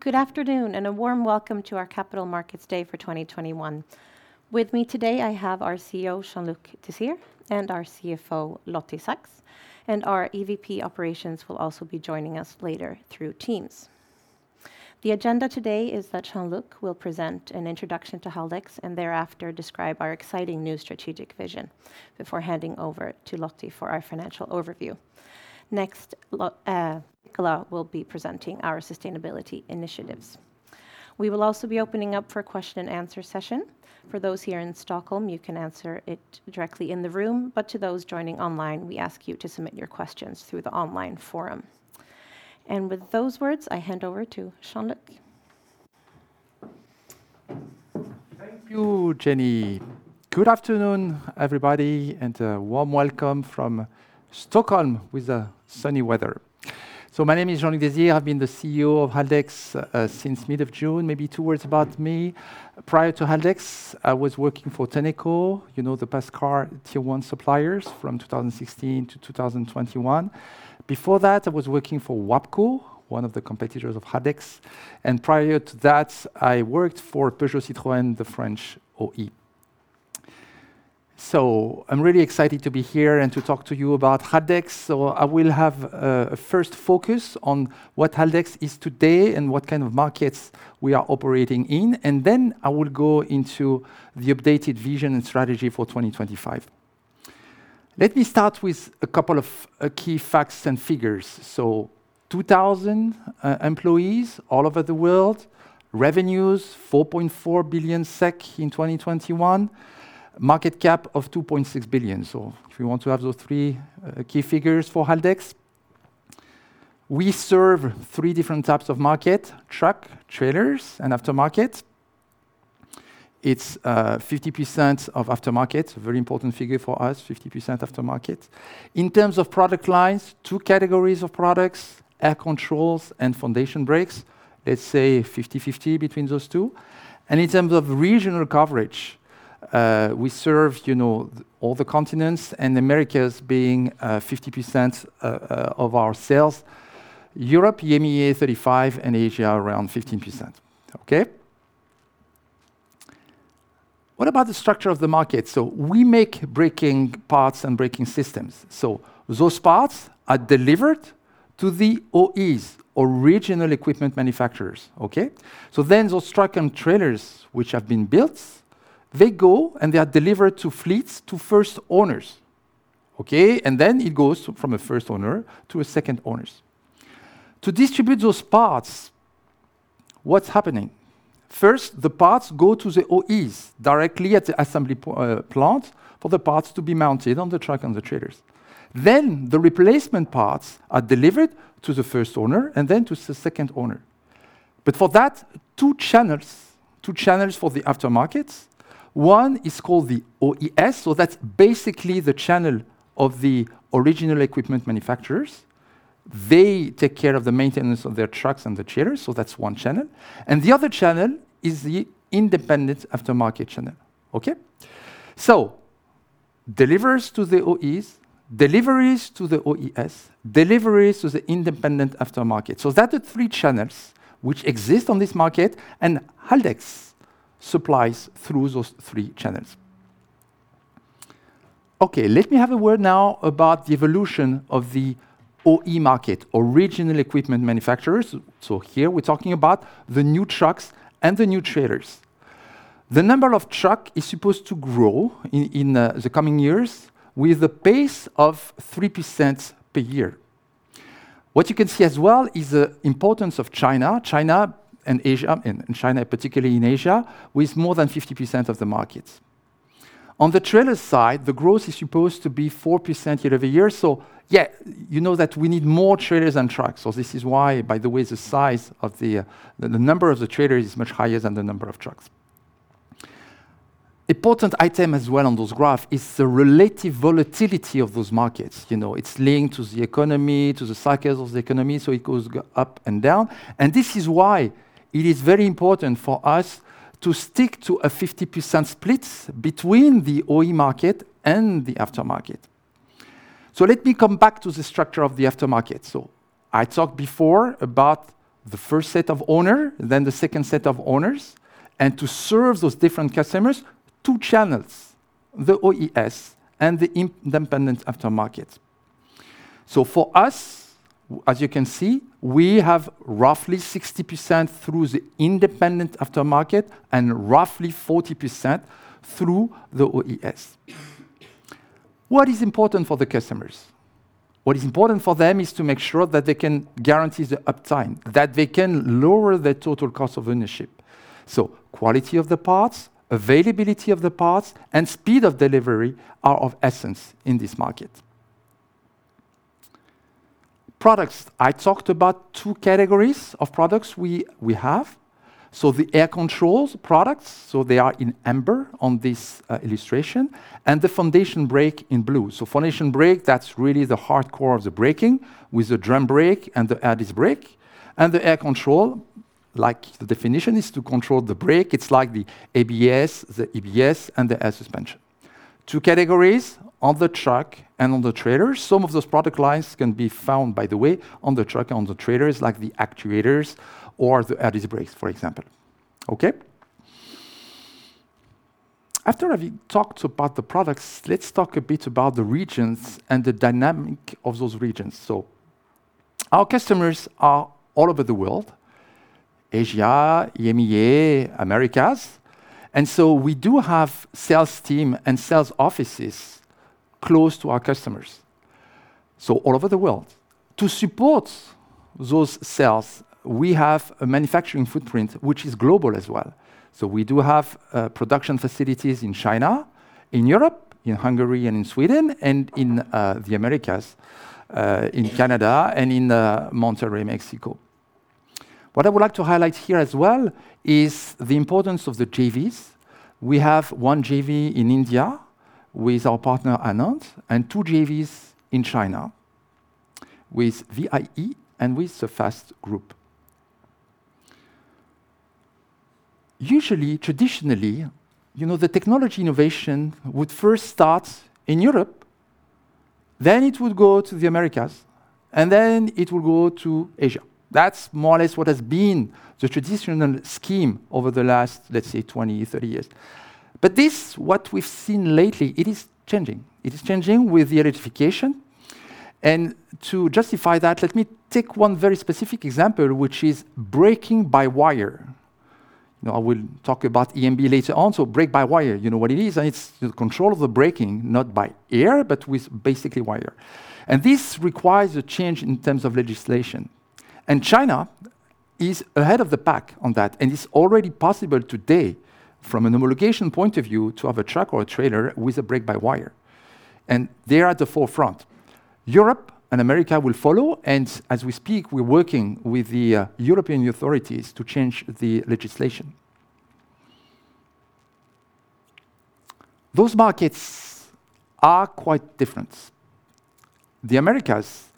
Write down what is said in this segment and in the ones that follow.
Good afternoon, and a warm welcome to our Capital Markets Day for 2021. With me today I have our CEO, Jean-Luc Desire, and our CFO, Lottie Saks, and our EVP Operations will also be joining us later through Teams. The agenda today is that Jean-Luc will present an introduction to Haldex, and thereafter describe our exciting new strategic vision before handing over to Lottie for our financial overview. Next, Nicola will be presenting our sustainability initiatives. We will also be opening up for a question and answer session. For those here in Stockholm, you can answer it directly in the room, but to those joining online, we ask you to submit your questions through the online forum. With those words, I hand over to Jean-Luc. Thank you, Jenny. Good afternoon, everybody, and a warm welcome from Stockholm with the sunny weather. My name is Jean-Luc Desire. I've been the CEO of Haldex since mid of June. Maybe two words about me. Prior to Haldex, I was working for Tenneco, you know, the best car tier one suppliers, from 2016 to 2021. Before that, I was working for WABCO, one of the competitors of Haldex, and prior to that, I worked for Peugeot Citroën, the French OE. I'm really excited to be here and to talk to you about Haldex. I will have a first focus on what Haldex is today and what kind of markets we are operating in, and then I will go into the updated vision and strategy for 2025. Let me start with a couple of key facts and figures. 2,000 employees all over the world. Revenues, 4.4 billion SEK in 2021. Market cap of 2.6 billion SEK. If you want to have those three key figures for Haldex. We serve three different types of market: truck, trailers, and aftermarket. It's 50% aftermarket. Very important figure for us, 50% aftermarket. In terms of product lines, two categories of products: air controls and foundation brakes. Let's say 50-50 between those two. In terms of regional coverage, we serve you know all the continents, and Americas being 50% of our sales. Europe, EMEA, 35%, and Asia around 15%. Okay? What about the structure of the market? We make braking parts and braking systems. Those parts are delivered to the OEs, original equipment manufacturers. Those truck and trailers which have been built, they go and they are delivered to fleets to first owners. It goes from a first owner to a second owners. To distribute those parts, what's happening? First, the parts go to the OEs directly at the assembly plant for the parts to be mounted on the truck and the trailers. The replacement parts are delivered to the first owner, and then to second owner. Two channels for that. Two channels for the aftermarket. One is called the OES, so that's basically the channel of the original equipment manufacturers. They take care of the maintenance of their trucks and the trailers, so that's one channel. The other channel is the independent aftermarket channel. Deliveries to the OEs, deliveries to the OES, deliveries to the independent aftermarket. That the three channels which exist on this market, and Haldex supplies through those three channels. Okay, let me have a word now about the evolution of the OE market, original equipment manufacturers. Here we're talking about the new trucks and the new trailers. The number of trucks is supposed to grow in the coming years with a pace of 3% per year. What you can see as well is the importance of China. China and Asia, particularly in China, with more than 50% of the markets. On the trailer side, the growth is supposed to be 4% year-over-year, yeah, you know that we need more trailers than trucks. This is why, by the way, the size of the number of trailers is much higher than the number of trucks. Important item as well on this graph is the relative volatility of those markets. It's linked to the economy, to the cycles of the economy, so it goes up and down. This is why it is very important for us to stick to a 50% split between the OE market and the aftermarket. Let me come back to the structure of the aftermarket. I talked before about the first set of owners, then the second set of owners, and to serve those different customers, two channels, the OES and the independent aftermarket. For us, as you can see, we have roughly 60% through the independent aftermarket and roughly 40% through the OES. What is important for the customers? What is important for them is to make sure that they can guarantee the uptime, that they can lower their total cost of ownership. Quality of the parts, availability of the parts, and speed of delivery are of essence in this market. Products. I talked about two categories of products we have. The air controls products, so they are in amber on this illustration, and the foundation brake in blue. Foundation brake, that's really the hardcore of the braking with the drum brake and the air disc brake. The air control, like the definition, is to control the brake. It's like the ABS, the EBS, and the air suspension. Two categories, on the truck and on the trailer. Some of those product lines can be found, by the way, on the truck, on the trailers, like the actuators or the ADB brakes, for example. Okay. After we talked about the products, let's talk a bit about the regions and the dynamic of those regions. Our customers are all over the world, Asia, EMEA, Americas. We do have sales team and sales offices close to our customers, so all over the world. To support those sales, we have a manufacturing footprint which is global as well. We do have production facilities in China, in Europe, in Hungary, and in Sweden, and in the Americas, in Canada and in Monterrey, Mexico. What I would like to highlight here as well is the importance of the JVs. We have one JV in India with our partner, Anand, and two JVs in China with VIE and with FAST Group. Usually, traditionally, you know, the technology innovation would first start in Europe, then it would go to the Americas, and then it would go to Asia. That's more or less what has been the traditional scheme over the last, let's say, 20, 30 years. This, what we've seen lately, it is changing. It is changing with the electrification. To justify that, let me take one very specific example, which is brake-by-wire. You know, I will talk about EMB later on. Brake by wire, you know what it is, and it's the control of the braking not by air, but with basically wire. This requires a change in terms of legislation. China is ahead of the pack on that, and it's already possible today from a homologation point of view to have a truck or a trailer with a brake-by-wire, and they are at the forefront. Europe and America will follow, and as we speak, we're working with the European authorities to change the legislation. Those markets are quite different. The Americas,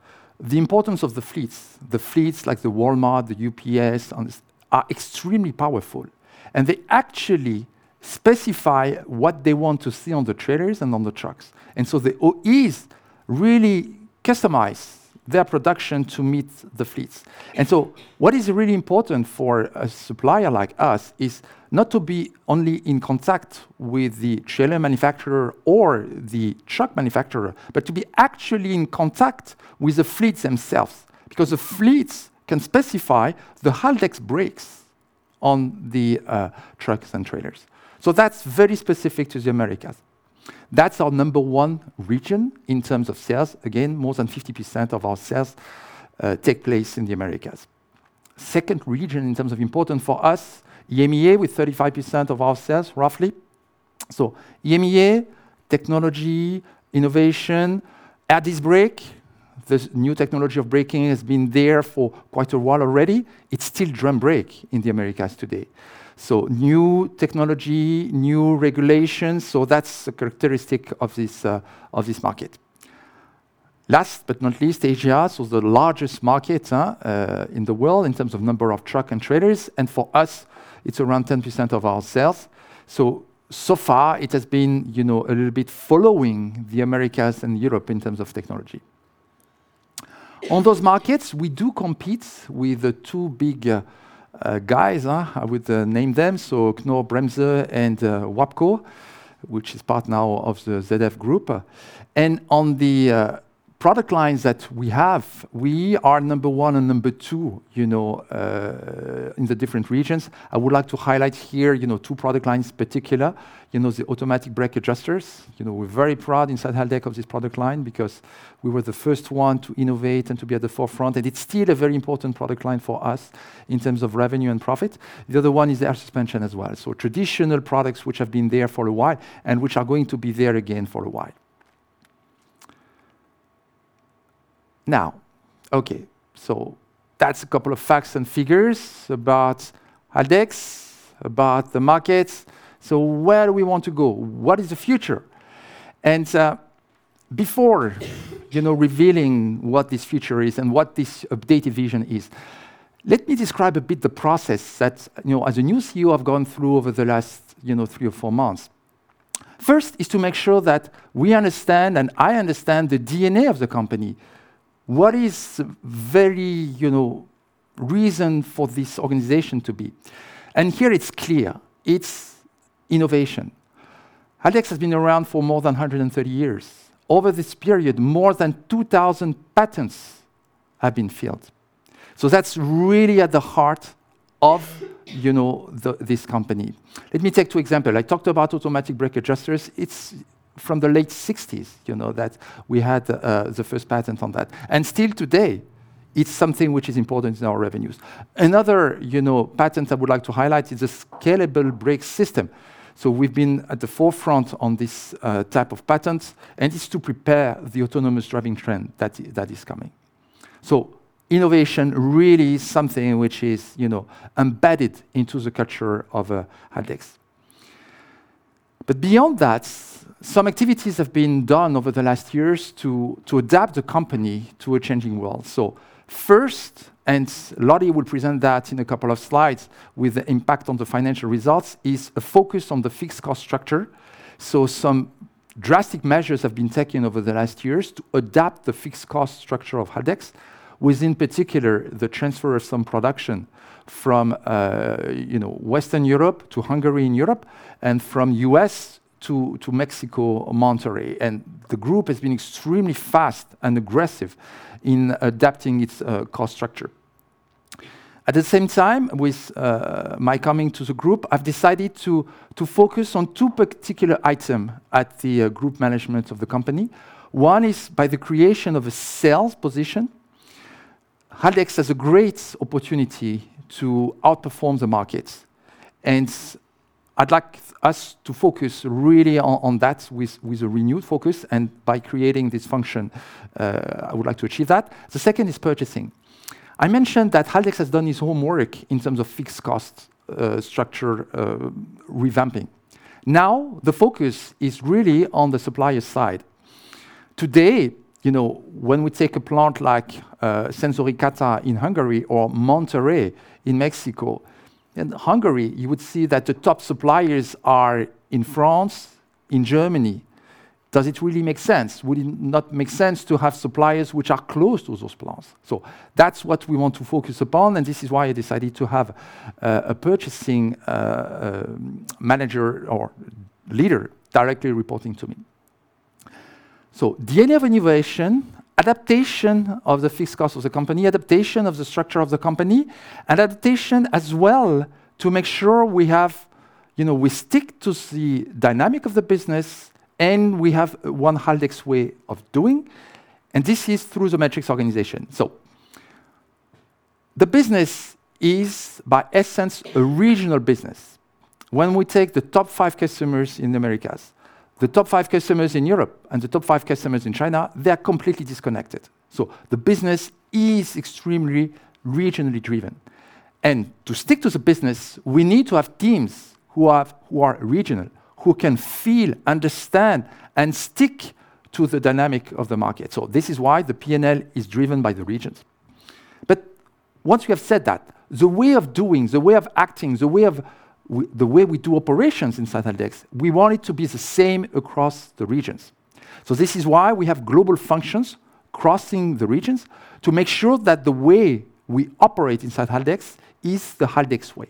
the importance of the fleets, the fleets like the Walmart, the UPS, and are extremely powerful, and they actually specify what they want to see on the trailers and on the trucks. The OEs really customize their production to meet the fleets. What is really important for a supplier like us is not to be only in contact with the trailer manufacturer or the truck manufacturer, but to be actually in contact with the fleets themselves, because the fleets can specify the Haldex brakes on the trucks and trailers. That's very specific to the Americas. That's our number one region in terms of sales. Again, more than 50% of our sales take place in the Americas. Second region in terms of important for us, EMEA, with 35% of our sales, roughly. EMEA, technology, innovation. ADB brake, this new technology of braking, has been there for quite a while already. It's still drum brake in the Americas today. New technology, new regulations, so that's a characteristic of this market. Last but not least, Asia. The largest market in the world in terms of number of truck and trailers, and for us it's around 10% of our sales. So far it has been, you know, a little bit following the Americas and Europe in terms of technology. On those markets, we do compete with the two big guys. I will name them, so Knorr-Bremse and WABCO, which is now part of the ZF Group. On the product lines that we have, we are number one and number two, you know, in the different regions. I would like to highlight here two product lines particular. The Automatic Brake Adjusters. You know, we're very proud inside Haldex of this product line because we were the first one to innovate and to be at the forefront, and it's still a very important product line for us in terms of revenue and profit. The other one is the air suspension as well. Traditional products which have been there for a while and which are going to be there again for a while. Now, okay, that's a couple of facts and figures about Haldex, about the markets. Where we want to go? What is the future? Before, you know, revealing what this future is and what this updated vision is, let me describe a bit the process that, you know, as a new CEO I've gone through over the last, you know, three or four months. First is to make sure that we understand, and I understand, the DNA of the company. What is very, you know, reason for this organization to be? Here it's clear. It's innovation. Haldex has been around for more than 130 years. Over this period, more than 2,000 patents have been filed. That's really at the heart of, you know, the, this company. Let me take two examples. I talked about Automatic Brake Adjusters. It's from the late 60s, you know, that we had the first patent on that. And still today it's something which is important in our revenues. Another, you know, patent I would like to highlight is a scalable brake system. We've been at the forefront on this type of patent, and it's to prepare the autonomous driving trend that is coming. Innovation really is something which is, you know, embedded into the culture of Haldex. Beyond that, some activities have been done over the last years to adapt the company to a changing world. First, and Lottie will present that in a couple of slides with the impact on the financial results, is a focus on the fixed cost structure. Drastic measures have been taken over the last years to adapt the fixed cost structure of Haldex with, in particular, the transfer of some production from Western Europe to Hungary and Europe and from U.S. to Mexico, Monterrey. The group has been extremely fast and aggressive in adapting its cost structure. At the same time, with my coming to the group, I've decided to focus on two particular item at the group management of the company. One is by the creation of a sales position. Haldex has a great opportunity to outperform the market, and I'd like us to focus really on that with a renewed focus, and by creating this function, I would like to achieve that. The second is purchasing. I mentioned that Haldex has done its homework in terms of fixed cost structure revamping. Now, the focus is really on the supplier side. Today, you know, when we take a plant like Szentgotthárd in Hungary or Monterrey in Mexico, in Hungary, you would see that the top suppliers are in France, in Germany. Does it really make sense? Would it not make sense to have suppliers which are close to those plants? That's what we want to focus upon, and this is why I decided to have a purchasing manager or leader directly reporting to me. DNA of innovation, adaptation of the fixed cost of the company, adaptation of the structure of the company, adaptation as well to make sure we stick to the dynamic of the business, and we have one Haldex way of doing, and this is through the matrix organization. The business is by essence, a regional business. When we take the top five customers in Americas, the top five customers in Europe, and the top five customers in China, they are completely disconnected. The business is extremely regionally driven. To stick to the business, we need to have teams who are regional, who can feel, understand, and stick to the dynamic of the market. This is why the P&L is driven by the regions. Once we have said that, the way of doing, the way of acting, the way we do operations inside Haldex, we want it to be the same across the regions. This is why we have global functions crossing the regions to make sure that the way we operate inside Haldex is the Haldex way.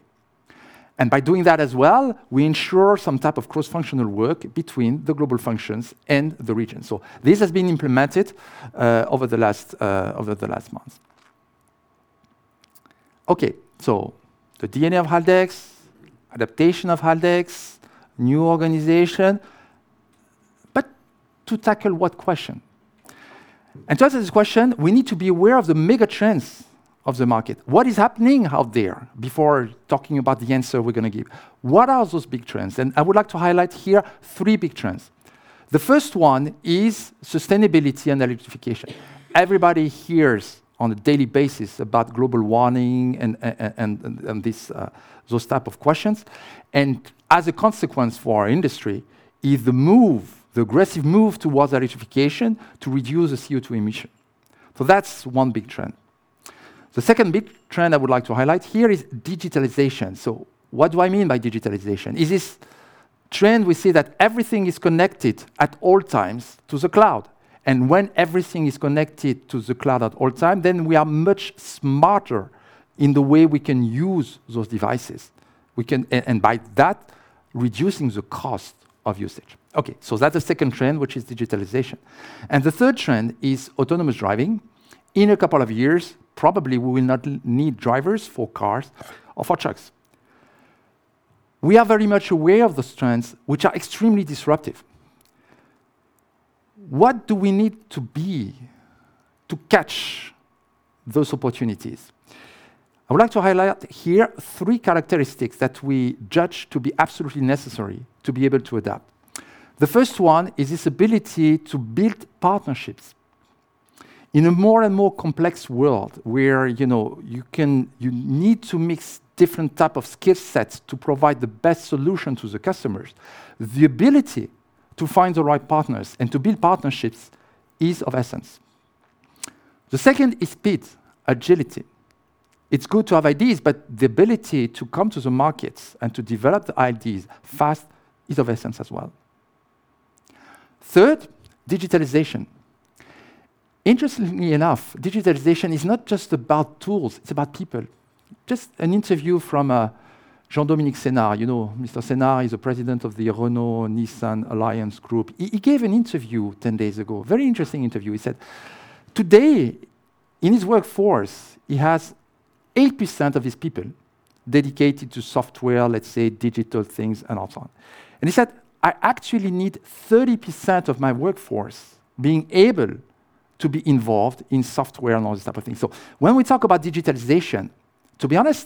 By doing that as well, we ensure some type of cross-functional work between the global functions and the regions. This has been implemented over the last months. Okay, the DNA of Haldex, adaptation of Haldex, new organization. To tackle what question? To answer this question, we need to be aware of the mega trends of the market. What is happening out there before talking about the answer we're gonna give? What are those big trends? I would like to highlight here three big trends. The first one is sustainability and electrification. Everybody hears on a daily basis about global warming and those type of questions. As a consequence for our industry is the move, the aggressive move towards electrification to reduce the CO2 emission. That's one big trend. The second big trend I would like to highlight here is digitalization. What do I mean by digitalization? It's this trend we see that everything is connected at all times to the cloud, and when everything is connected to the cloud at all times, then we are much smarter in the way we can use those devices. We can, and by that, reducing the cost of usage. Okay, so that's the second trend, which is digitalization. The third trend is autonomous driving. In a couple of years, probably we will not need drivers for cars or for trucks. We are very much aware of those trends, which are extremely disruptive. What do we need to be to catch those opportunities? I would like to highlight here three characteristics that we judge to be absolutely necessary to be able to adapt. The first one is this ability to build partnerships. In a more and more complex world where, you know, you can You need to mix different type of skill sets to provide the best solution to the customers. The ability to find the right partners and to build partnerships is of essence. The second is speed, agility. It's good to have ideas, but the ability to come to the markets and to develop the ideas fast is of essence as well. Third, digitalization. Interestingly enough, digitalization is not just about tools, it's about people. Just an interview from Jean-Dominique Senard. You know Mr. Senard, he's the president of the Renault-Nissan Alliance group. He gave an interview 10 days ago, very interesting interview. He said, today in his workforce, he has 80% of his people dedicated to software, let's say digital things and so on. He said, "I actually need 30% of my workforce being able to be involved in software and all these type of things." When we talk about digitalization, to be honest,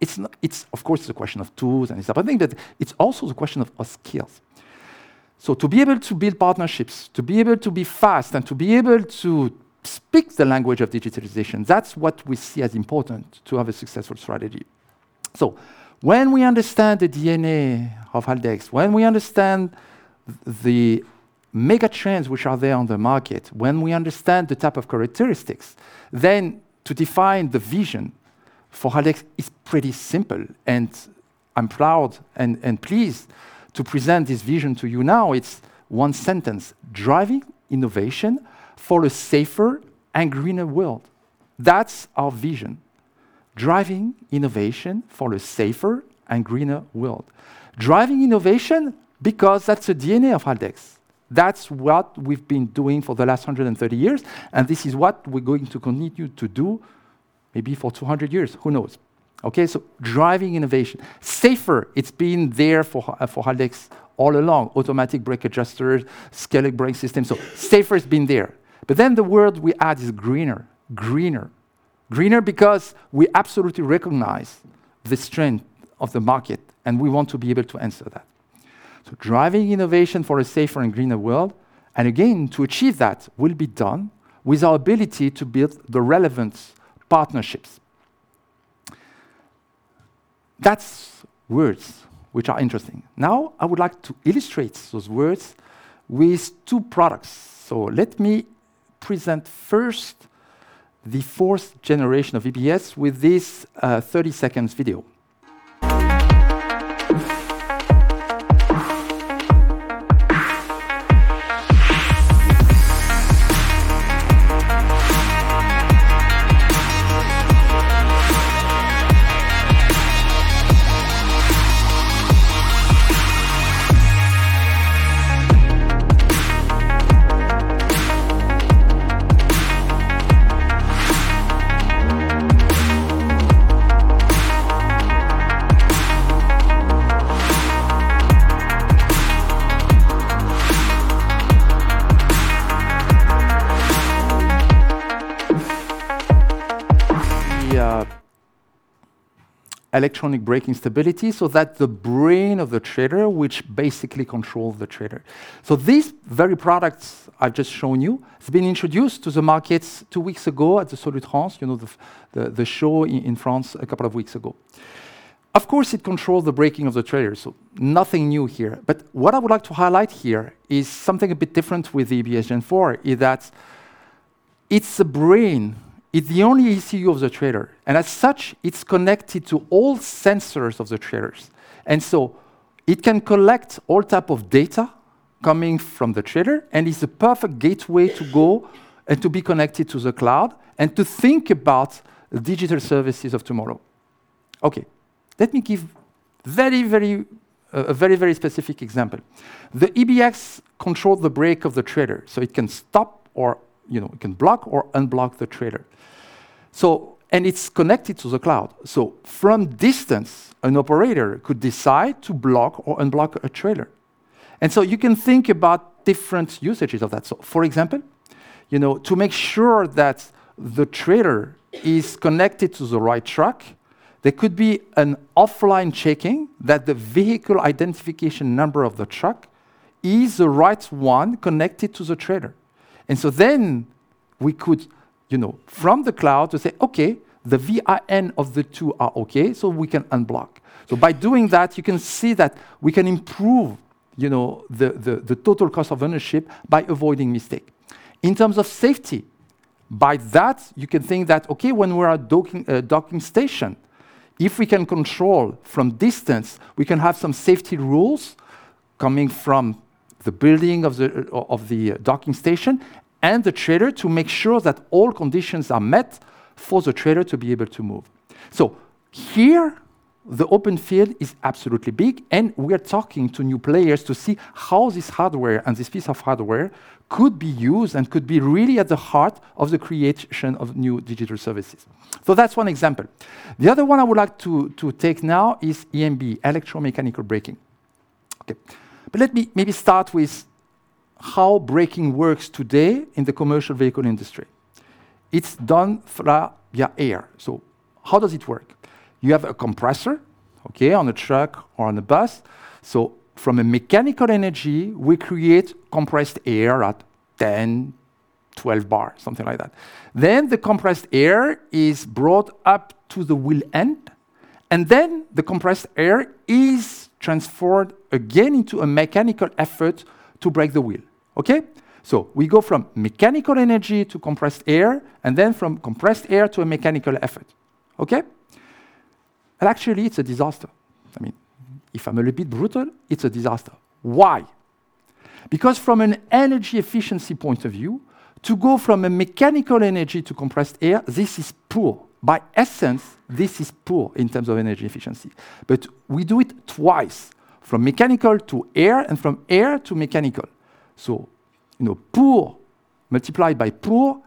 it's of course the question of tools and this type of thing, but it's also the question of skills. To be able to build partnerships, to be able to be fast, and to be able to speak the language of digitalization, that's what we see as important to have a successful strategy. When we understand the DNA of Haldex, when we understand the mega trends which are there on the market, when we understand the type of characteristics, then to define the vision for Haldex, it's pretty simple, and I'm proud and pleased to present this vision to you now. It's one sentence, driving innovation for a safer and greener world. That's our vision, driving innovation for a safer and greener world. Driving innovation because that's the DNA of Haldex. That's what we've been doing for the last 130 years, and this is what we're going to continue to do maybe for 200 years. Who knows? Okay, driving innovation. Safer, it's been there for Haldex all along. Automatic Brake Adjusters, scalable brake systems. Safer's been there. Then the word we add is greener. Greener. Greener because we absolutely recognize the strength of the market, and we want to be able to answer that. Driving innovation for a safer and greener world, and again, to achieve that will be done with our ability to build the relevant partnerships. Those words which are interesting. Now, I would like to illustrate those words with two products. Let me present first the fourth generation of EBS with this 30-second video. The electronic braking system, so that's the brain of the trailer which basically control the trailer. This very products I've just shown you, it's been introduced to the markets two weeks ago at the Solutrans, you know, the show in France a couple of weeks ago. Of course, it control the braking of the trailer, so nothing new here. What I would like to highlight here is something a bit different with the EBS Gen4, is that it's a brain. It's the only ECU of the trailer, and as such, it's connected to all sensors of the trailers. It can collect all type of data coming from the trailer, and it's the perfect gateway to go and to be connected to the cloud and to think about digital services of tomorrow. Okay, let me give a very specific example. The EB+ controls the brake of the trailer, so it can stop or, you know, it can block or unblock the trailer. It's connected to the cloud, so from a distance, an operator could decide to block or unblock a trailer. You can think about different usages of that. For example, you know, to make sure that the trailer is connected to the right truck, there could be an online checking that the vehicle identification number of the truck is the right one connected to the trailer. we could, you know, from the cloud to say, "Okay, the VIN of the two are okay, so we can unblock." By doing that, you can see that we can improve, you know, the total cost of ownership by avoiding mistake. In terms of safety, by that you can think that, okay, when we're at docking station, if we can control from distance, we can have some safety rules coming from the building of the docking station and the trailer to make sure that all conditions are met for the trailer to be able to move. Here, the open field is absolutely big, and we're talking to new players to see how this hardware and this piece of hardware could be used and could be really at the heart of the creation of new digital services. That's one example. The other one I would like to take now is EMB, electromechanical braking. Okay, let me maybe start with how braking works today in the commercial vehicle industry. It's done through via air. How does it work? You have a compressor, okay, on a truck or on a bus, so from a mechanical energy, we create compressed air at 10, 12 bar, something like that. Then the compressed air is brought up to the wheel end, and then the compressed air is transferred again into a mechanical effort to brake the wheel. Okay? We go from mechanical energy to compressed air, and then from compressed air to a mechanical effort. Okay? Actually, it's a disaster. I mean, if I'm a little bit brutal, it's a disaster. Why? Because from an energy efficiency point of view, to go from a mechanical energy to compressed air, this is poor. By essence, this is poor in terms of energy efficiency. We do it twice, from mechanical to air and from air to mechanical. You know, poor multiplied by poor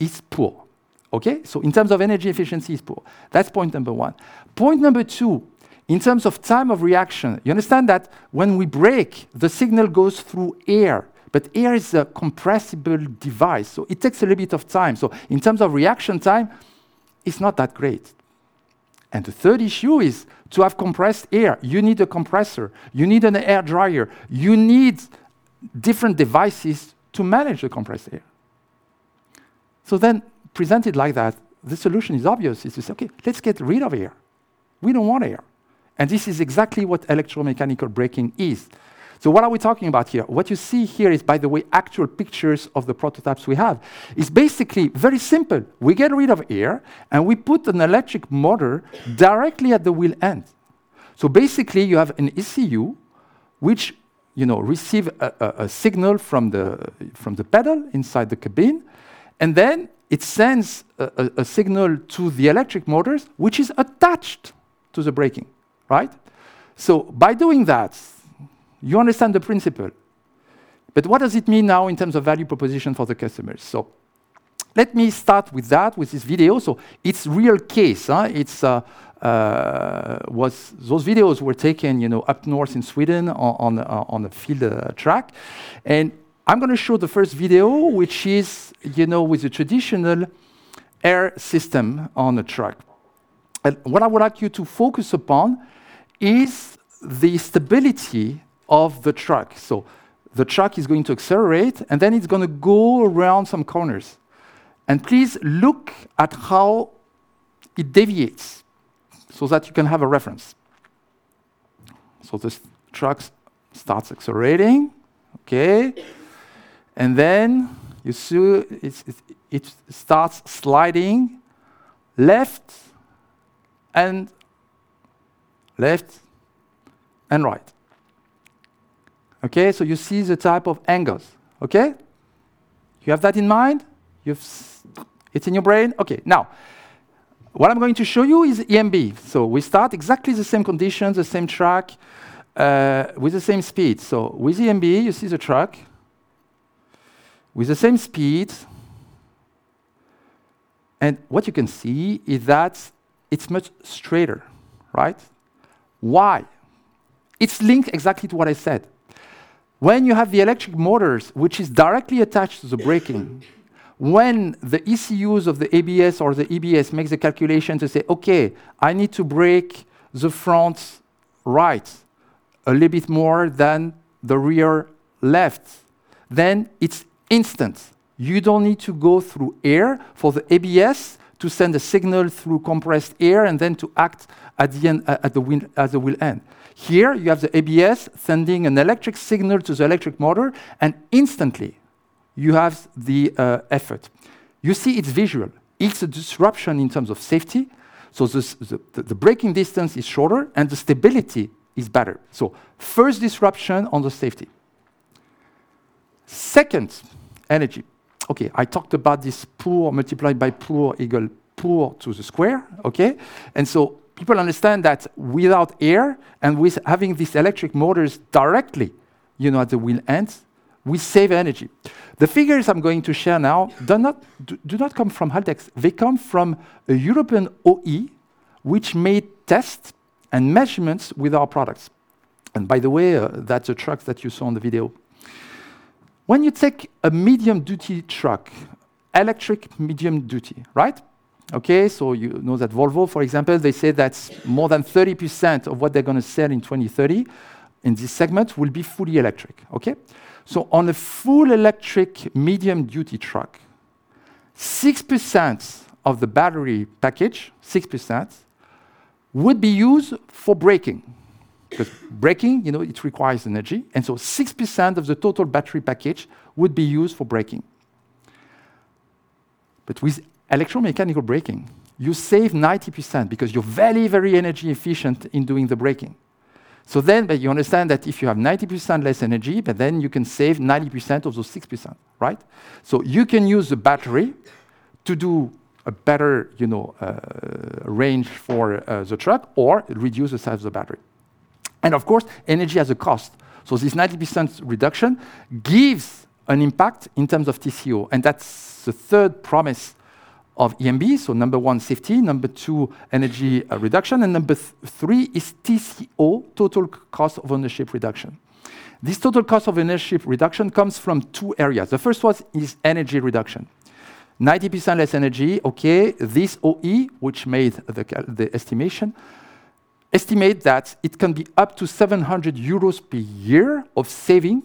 is poor. Okay? In terms of energy efficiency, it's poor. That's point number one. Point number two, in terms of time of reaction, you understand that when we brake, the signal goes through air, but air is a compressible device, so it takes a little bit of time. In terms of reaction time, it's not that great. The third issue is to have compressed air, you need a compressor, you need an air dryer, you need different devices to manage the compressed air. Presented like that, the solution is obvious. It's just, okay, let's get rid of air. We don't want air, and this is exactly what electromechanical braking is. What are we talking about here? What you see here is, by the way, actual pictures of the prototypes we have. It's basically very simple. We get rid of air, and we put an electric motor directly at the wheel end. Basically, you have an ECU which, you know, receive a signal from the pedal inside the cabin, and then it sends a signal to the electric motors which is attached to the braking, right? By doing that, you understand the principle, but what does it mean now in terms of value proposition for the customers? Let me start with that, with this video. It's real case, was... Those videos were taken, you know, up north in Sweden on a field track. I'm gonna show the first video which is, you know, with the traditional air system on the truck. What I would like you to focus upon is the stability of the truck. The truck is going to accelerate, and then it's gonna go around some corners, and please look at how it deviates so that you can have a reference. The truck starts accelerating, okay? Then you see it starts sliding left and right. Okay? You see the type of angles. Okay? You have that in mind? It's in your brain? Okay. Now, what I'm going to show you is EMB. We start exactly the same conditions, the same track, with the same speed. With EMB, you see the truck with the same speed, and what you can see is that it's much straighter, right? Why? It's linked exactly to what I said. When you have the electric motors which is directly attached to the braking, when the ECUs of the ABS or the EBS makes a calculation to say, "Okay, I need to brake the front right a little bit more than the rear left," then it's instant. You don't need to go through air for the ABS to send a signal through compressed air and then to act at the end, at the wheel end. Here you have the ABS sending an electric signal to the electric motor, and instantly you have the effort. You see it's visual. It's a disruption in terms of safety. The braking distance is shorter, and the stability is better. First disruption on the safety. Second, energy. Okay, I talked about this v multiplied by v equal v to the square, okay? People understand that without air and with having these electric motors directly, you know, at the wheel ends, we save energy. The figures I'm going to share now do not come from Haldex. They come from a European OE which made tests and measurements with our products, and by the way, that's the truck that you saw in the video. When you take a medium-duty truck, electric medium-duty, right? Okay, you know that Volvo, for example, they say that more than 30% of what they're gonna sell in 2030 in this segment will be fully electric, okay? On a full electric medium-duty truck, 6% of the battery package, 6%, would be used for braking. Because braking, you know, it requires energy, and six percent of the total battery package would be used for braking. With electromechanical braking, you save 90% because you're very, very energy efficient in doing the braking. You understand that if you have 90% less energy, but then you can save 90% of the 6%, right? You can use the battery to do a better, you know, range for the truck or reduce the size of the battery. Of course, energy has a cost. This 90% reduction gives an impact in terms of TCO, and that's the third promise of EMB. Number one, safety. Number two, energy reduction. Number three is TCO, total cost of ownership reduction. This total cost of ownership reduction comes from two areas. The first one is energy reduction. 90% less energy, this OE which made the estimate that it can be up to 700 euros per year of saving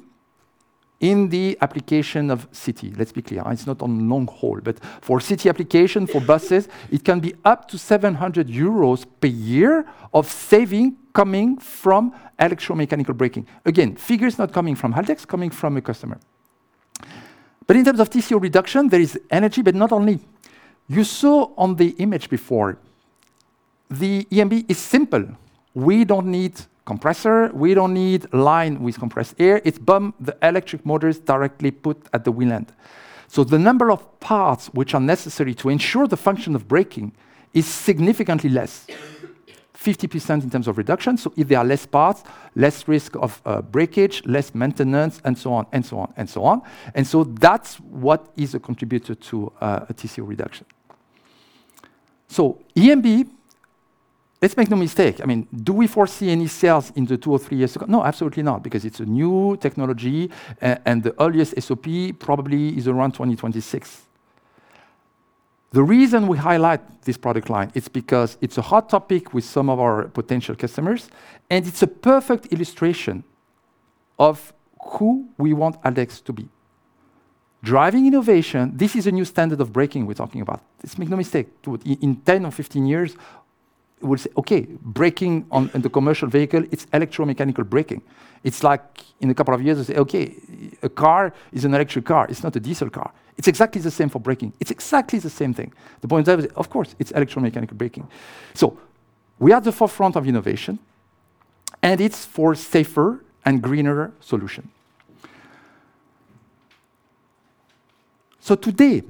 in the application of city. Let's be clear, it's not on long haul, but for city application, for buses, it can be up to 700 euros per year of saving coming from electromechanical braking. Again, figures not coming from Haldex, coming from a customer. In terms of TCO reduction, there is energy, but not only. You saw on the image before, the EMB is simple. We don't need compressor. We don't need line with compressed air. It's boom, the electric motor is directly put at the wheel end. The number of parts which are necessary to ensure the function of braking is significantly less, 50% in terms of reduction. If there are less parts, less risk of breakage, less maintenance and so on. That's what is a contributor to a TCO reduction. EMB, let's make no mistake. I mean, do we foresee any sales in the next two or three years? No, absolutely not, because it's a new technology and the earliest SOP probably is around 2026. The reason we highlight this product line is because it's a hot topic with some of our potential customers, and it's a perfect illustration of who we want Haldex to be. Driving innovation, this is a new standard of braking we're talking about. Let's make no mistake, in 10 or 15 years, we'll say, "Okay, braking in the commercial vehicle, it's electromechanical braking." It's like in a couple of years they'll say, "Okay, a car is an electric car, it's not a diesel car." It's exactly the same for braking. It's exactly the same thing. The point there is of course it's electromechanical braking. We are at the forefront of innovation, and it's for safer and greener solution. Today,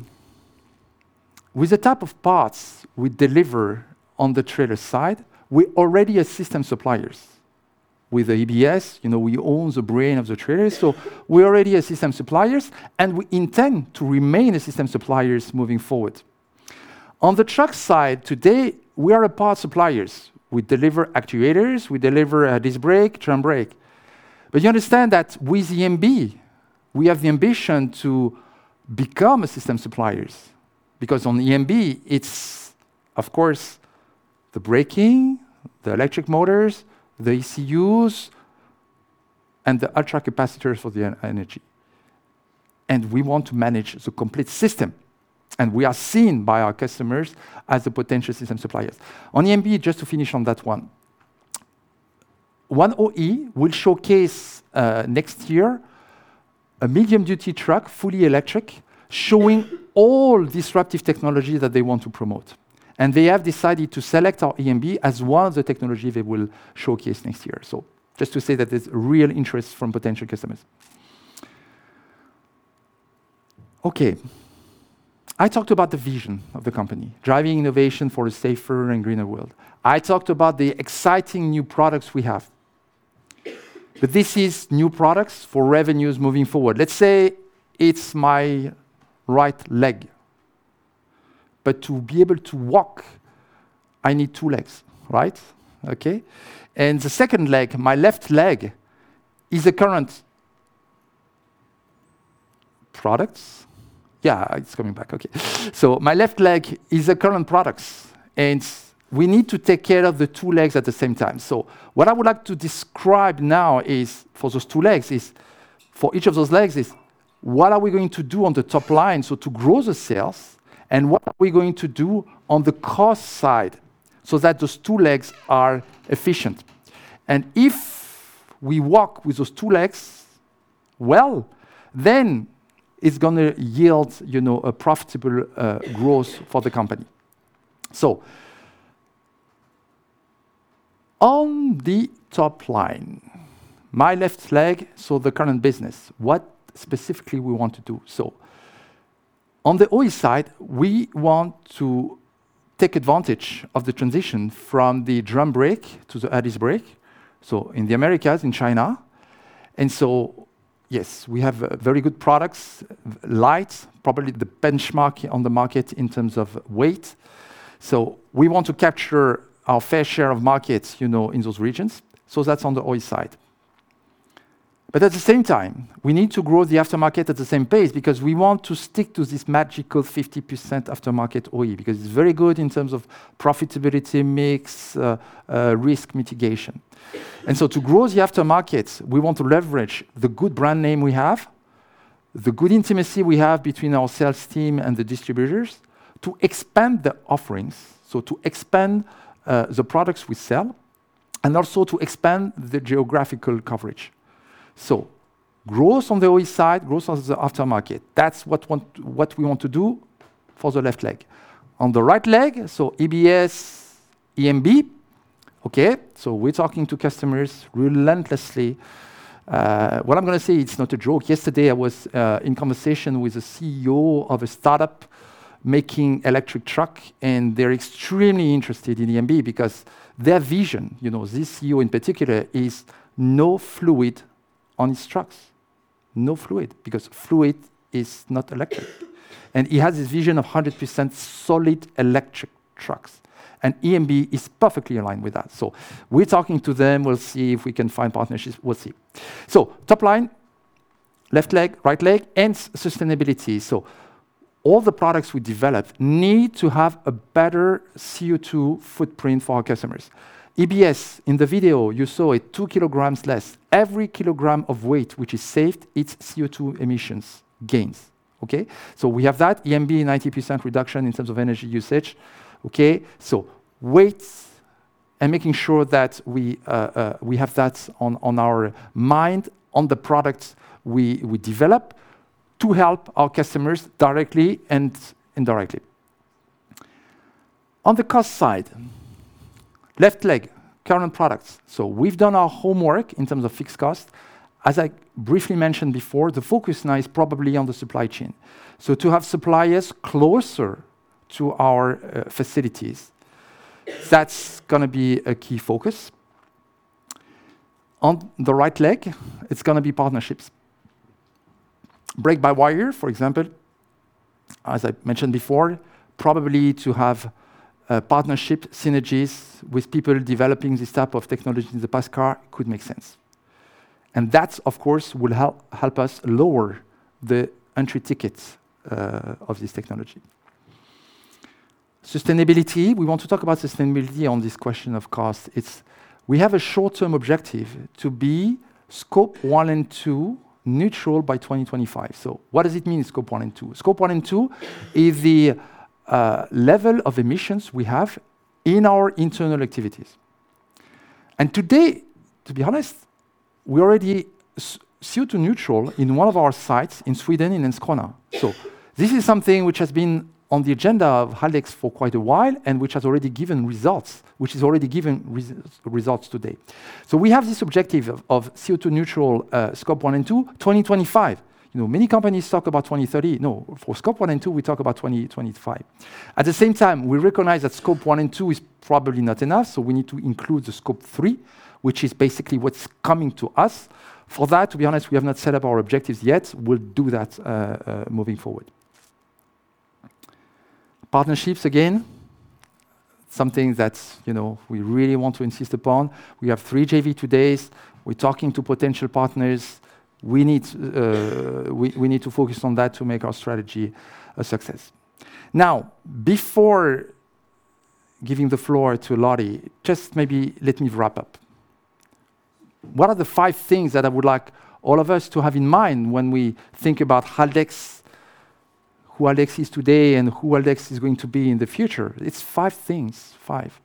with the type of parts we deliver on the trailer side, we're already a system suppliers. With EBS, you know, we own the brain of the trailer, so we're already a system suppliers and we intend to remain a system suppliers moving forward. On the truck side today, we are a part suppliers. We deliver actuators, we deliver disc brake, drum brake. You understand that with EMB we have the ambition to become a system suppliers, because on EMB it's of course the braking, the electric motors, the ECUs, and the ultracapacitors for the energy. We want to manage the complete system, and we are seen by our customers as a potential system suppliers. On EMB, just to finish on that one OE will showcase next year a medium duty truck, fully electric, showing all disruptive technology that they want to promote. They have decided to select our EMB as one of the technology they will showcase next year. Just to say that there's real interest from potential customers. Okay. I talked about the vision of the company, driving innovation for a safer and greener world. I talked about the exciting new products we have. This is new products for revenues moving forward. Let's say it's my right leg, but to be able to walk, I need two legs, right? Okay. The second leg, my left leg, is the current products. Yeah, it's coming back. Okay. My left leg is the current products, and we need to take care of the two legs at the same time. What I would like to describe now is, for each of those legs, what are we going to do on the top line, so to grow the sales, and what are we going to do on the cost side so that those two legs are efficient? If we walk with those two legs well, then it's gonna yield, you know, a profitable growth for the company. On the top line, my left leg, so the current business, what specifically we want to do. On the OE side, we want to take advantage of the transition from the drum brake to the disc brake, so in the Americas, in China. Yes, we have very good products, light, probably the benchmark on the market in terms of weight. We want to capture our fair share of market, you know, in those regions. That's on the OE side. At the same time, we need to grow the aftermarket at the same pace because we want to stick to this magical 50% aftermarket OE, because it's very good in terms of profitability mix, risk mitigation. To grow the aftermarket, we want to leverage the good brand name we have, the good intimacy we have between our sales team and the distributors to expand the offerings, so to expand the products we sell, and also to expand the geographical coverage. Growth on the OE side, growth on the aftermarket. That's what we want to do for the left leg. On the right leg, EBS, EMB. Okay. We're talking to customers relentlessly. What I'm gonna say, it's not a joke. Yesterday I was in conversation with a CEO of a startup making electric truck, and they're extremely interested in EMB because their vision, you know, this CEO in particular, is no fluid on his trucks. No fluid, because fluid is not electric. He has this vision of 100% solid electric trucks, and EMB is perfectly aligned with that. We're talking to them. We'll see if we can find partnerships. We'll see. Top line, left leg, right leg, and sustainability. All the products we develop need to have a better CO2 footprint for our customers. EBS in the video you saw it, 2 kg less. Every kilogram of weight which is saved, it's CO2 emissions gains. Okay? We have that. EMB, 90% reduction in terms of energy usage. Okay? Weights and making sure that we have that on our mind on the products we develop to help our customers directly and indirectly. On the cost side, left leg current products. We've done our homework in terms of fixed cost. As I briefly mentioned before, the focus now is probably on the supply chain. To have suppliers closer to our facilities, that's gonna be a key focus. On the right leg it's gonna be partnerships. Brake-by-wire, for example, as I mentioned before, probably to have partnership synergies with people developing this type of technology in the passenger car could make sense. That of course will help us lower the entry ticket of this technology. Sustainability, we want to talk about sustainability on this question, of course. We have a short-term objective to be Scope 1 and Scope 2 neutral by 2025. What does it mean, Scope 1 and Scope 2? Scope 1 and Scope 2 is the level of emissions we have in our internal activities. Today, to be honest, we're already CO₂ neutral in one of our sites in Sweden, in Landskrona. This is something which has been on the agenda of Haldex for quite a while, and which has already given results today. We have this objective of CO₂ neutral, Scope 1 and 2, 2025. You know, many companies talk about 2030. No, for Scope 1 and 2, we talk about 2025. At the same time, we recognize that Scope 1 and 2 is probably not enough, so we need to include the Scope 3, which is basically what's coming to us. For that, to be honest, we have not set up our objectives yet. We'll do that moving forward. Partnerships, again, something that, you know, we really want to insist upon. We have three JVs today. We're talking to potential partners. We need to focus on that to make our strategy a success. Now, before giving the floor to Lottie, just maybe let me wrap up. What are the five things that I would like all of us to have in mind when we think about Haldex, who Haldex is today, and who Haldex is going to be in the future? It's five things. Five.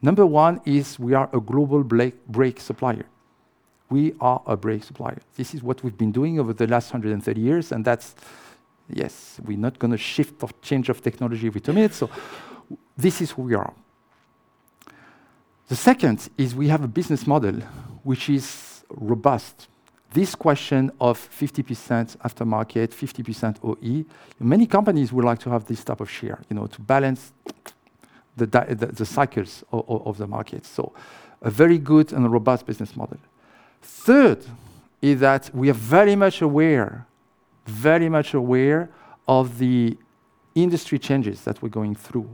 Number one is we are a global brake supplier. We are a brake supplier. This is what we've been doing over the last 130 years, and that's, yes, we're not gonna shift or change of technology every time here, so this is who we are. The second is we have a business model which is robust. This question of 50% aftermarket, 50% OE, many companies would like to have this type of share, you know, to balance the cycles of the market. A very good and robust business model. Third is that we are very much aware of the industry changes that we're going through.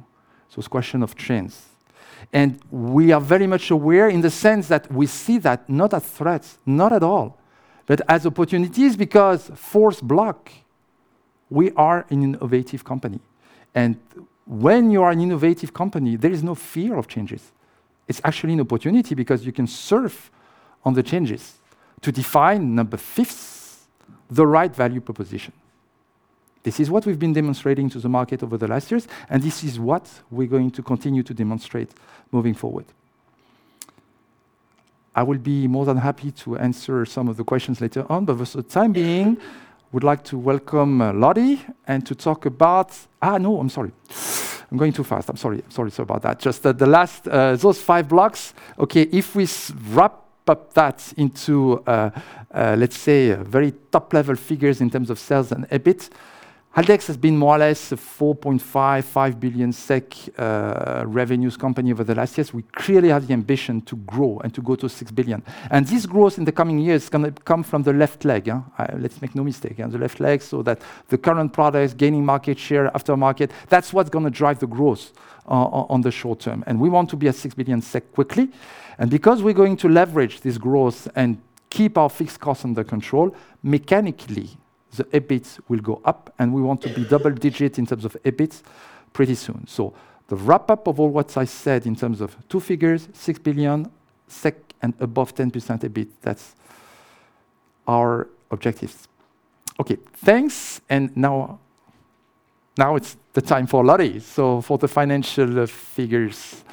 It's a question of trends. We are very much aware in the sense that we see that not as threats, not at all, but as opportunities because fourth block, we are an innovative company. When you are an innovative company, there is no fear of changes. It's actually an opportunity because you can surf on the changes to define, number fifth, the right value proposition. This is what we've been demonstrating to the market over the last years, and this is what we're going to continue to demonstrate moving forward. I will be more than happy to answer some of the questions later on. But for the time being, would like to welcome Lottie, and to talk about. Just the last those five blocks. Okay. If we wrap up that into a, let's say, a very top-level figures in terms of sales and EBIT, Haldex has been more or less a 4.5 billion-5 billion SEK revenues company over the last years. We clearly have the ambition to grow and to go to 6 billion. This growth in the coming years is gonna come from the left leg, huh? Let's make no mistake. On the left leg, so that the current product is gaining market share, aftermarket. That's what's gonna drive the growth on the short term, and we want to be at 6 billion SEK quickly. Because we're going to leverage this growth and keep our fixed costs under control, mechanically, the EBIT will go up, and we want to be double digit in terms of EBIT pretty soon. The wrap-up of all what I said in terms of two figures, 6 billion SEK and above 10% EBIT, that's our objectives. Okay. Thanks, now it's the time for Lottie, so for the financial figures.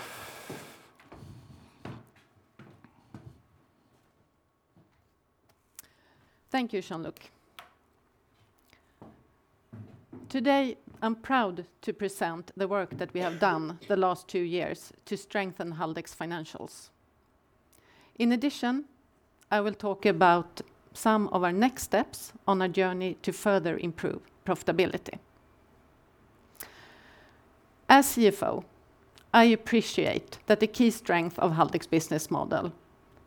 Thank you, Jean-Luc. Today, I'm proud to present the work that we have done the last two years to strengthen Haldex financials. In addition, I will talk about some of our next steps on our journey to further improve profitability. As CFO, I appreciate that the key strength of Haldex business model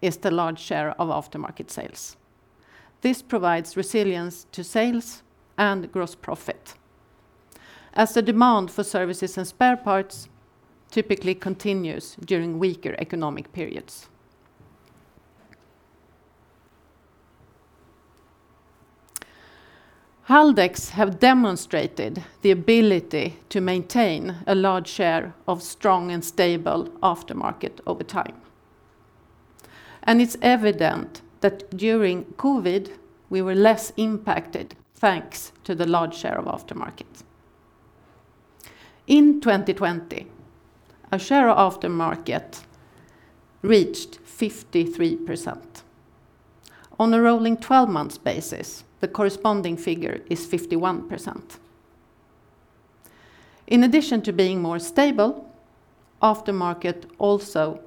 is the large share of aftermarket sales. This provides resilience to sales and gross profit, as the demand for services and spare parts typically continues during weaker economic periods. Haldex have demonstrated the ability to maintain a large share of strong and stable aftermarket over time, and it's evident that during COVID, we were less impacted, thanks to the large share of aftermarket. In 2020, our share of aftermarket reached 53%. On a rolling 12-month basis, the corresponding figure is 51%. In addition to being more stable, aftermarket also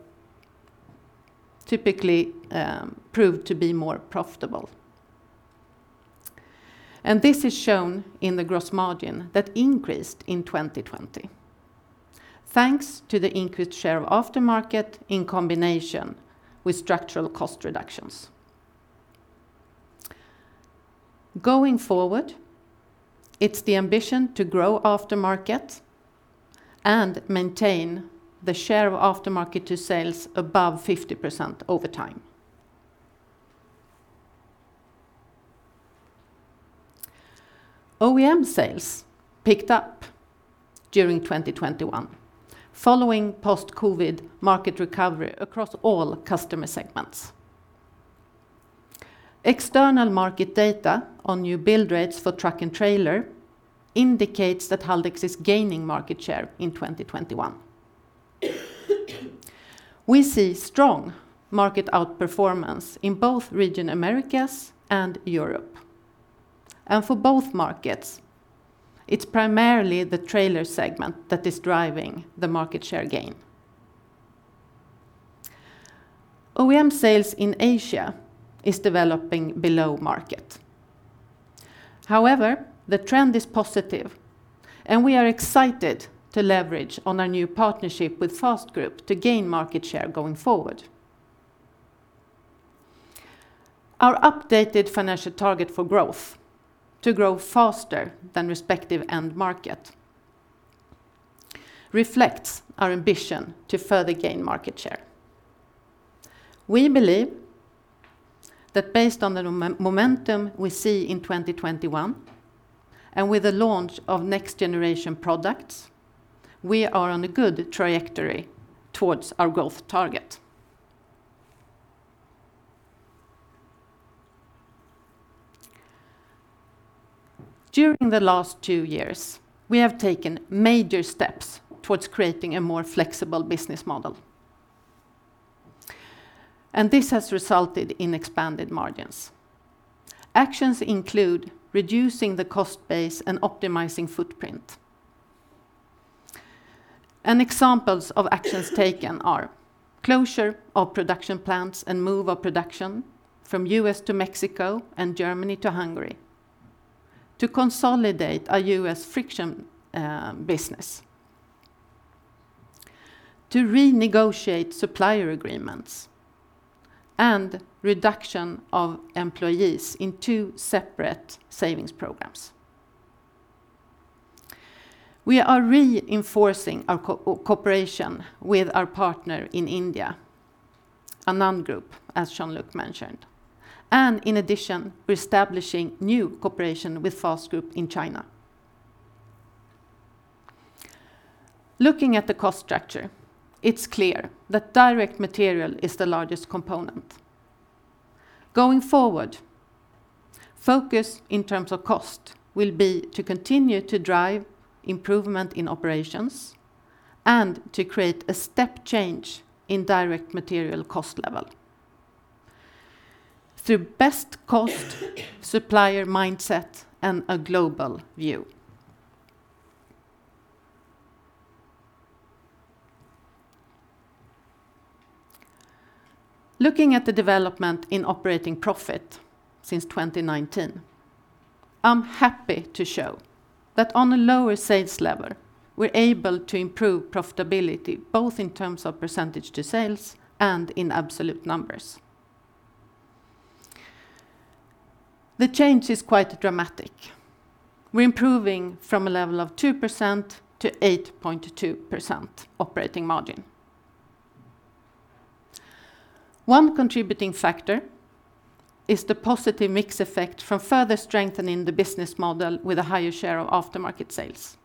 typically proved to be more profitable. This is shown in the gross margin that increased in 2020, thanks to the increased share of aftermarket in combination with structural cost reductions. Going forward, it's the ambition to grow aftermarket and maintain the share of aftermarket to sales above 50% over time. OEM sales picked up during 2021 following post-COVID-19 market recovery across all customer segments. External market data on new build rates for truck and trailer indicates that Haldex is gaining market share in 2021. We see strong market outperformance in both region Americas and Europe. For both markets, it's primarily the trailer segment that is driving the market share gain. OEM sales in Asia is developing below market. However, the trend is positive, and we are excited to leverage on our new partnership with FAST Group to gain market share going forward. Our updated financial target for growth to grow faster than respective end market reflects our ambition to further gain market share. We believe that based on the momentum we see in 2021, and with the launch of next generation products, we are on a good trajectory towards our growth target. During the last two years, we have taken major steps towards creating a more flexible business model. This has resulted in expanded margins. Actions include reducing the cost base and optimizing footprint. Examples of actions taken are closure of production plants and move of production from U.S. to Mexico and Germany to Hungary to consolidate our U.S. friction business, to renegotiate supplier agreements, and reduction of employees in two separate savings programs. We are reinforcing our cooperation with our partner in India, ANAND Group, as Jean-Luc mentioned, and in addition, we're establishing new cooperation with FAST Group in China. Looking at the cost structure, it's clear that direct material is the largest component. Going forward, focus in terms of cost will be to continue to drive improvement in operations and to create a step change in direct material cost level through best cost supplier mindset and a global view. Looking at the development in operating profit since 2019, I'm happy to show that on a lower sales level, we're able to improve profitability both in terms of percentage of sales and in absolute numbers. The change is quite dramatic. We're improving from a level of 2%-8.2% operating margin. One contributing factor is the positive mix effect from further strengthening the business model with a higher share of aftermarket sales.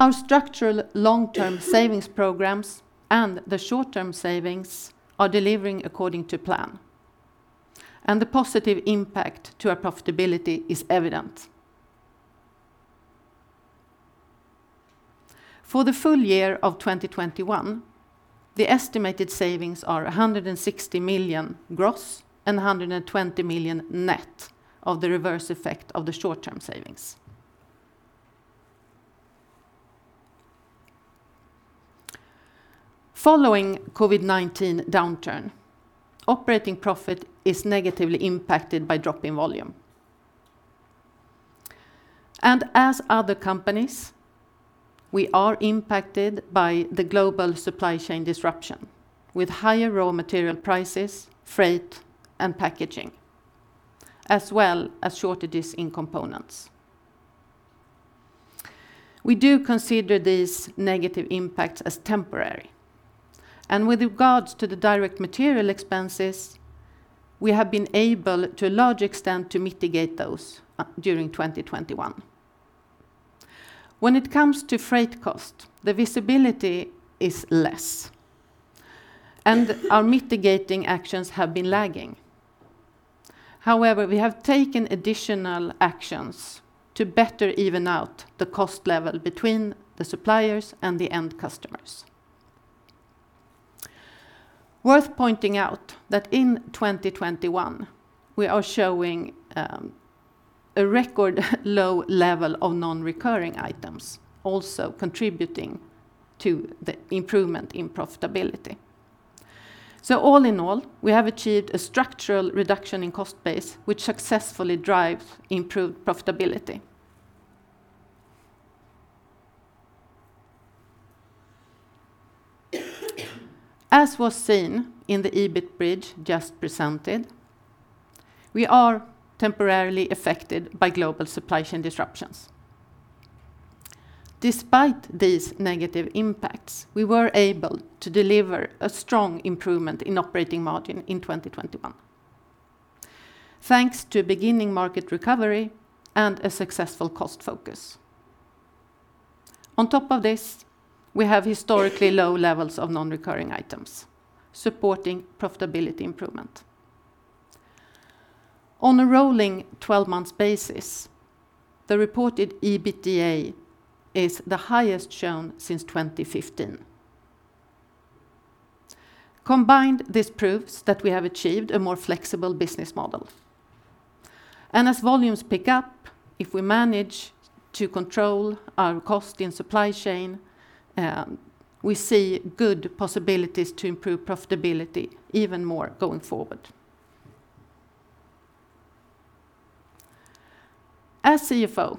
Our structural long-term savings programs and the short-term savings are delivering according to plan, and the positive impact to our profitability is evident. For the full year of 2021, the estimated savings are 160 million gross and 120 million net of the reverse effect of the short-term savings. Following COVID-19 downturn, operating profit is negatively impacted by drop in volume. As other companies, we are impacted by the global supply chain disruption with higher raw material prices, freight, and packaging, as well as shortages in components. We do consider these negative impacts as temporary, and with regards to the direct material expenses, we have been able, to a large extent, to mitigate those during 2021. When it comes to freight cost, the visibility is less, and our mitigating actions have been lagging. However, we have taken additional actions to better even out the cost level between the suppliers and the end customers. Worth pointing out that in 2021, we are showing a record low level of non-recurring items also contributing to the improvement in profitability. All in all, we have achieved a structural reduction in cost base which successfully drives improved profitability. As was seen in the EBIT bridge just presented, we are temporarily affected by global supply chain disruptions. Despite these negative impacts, we were able to deliver a strong improvement in operating margin in 2021 thanks to beginning market recovery and a successful cost focus. On top of this, we have historically low levels of non-recurring items supporting profitability improvement. On a rolling 12-month basis, the reported EBITDA is the highest shown since 2015. Combined, this proves that we have achieved a more flexible business model. As volumes pick up, if we manage to control our cost in supply chain, we see good possibilities to improve profitability even more going forward. As CFO,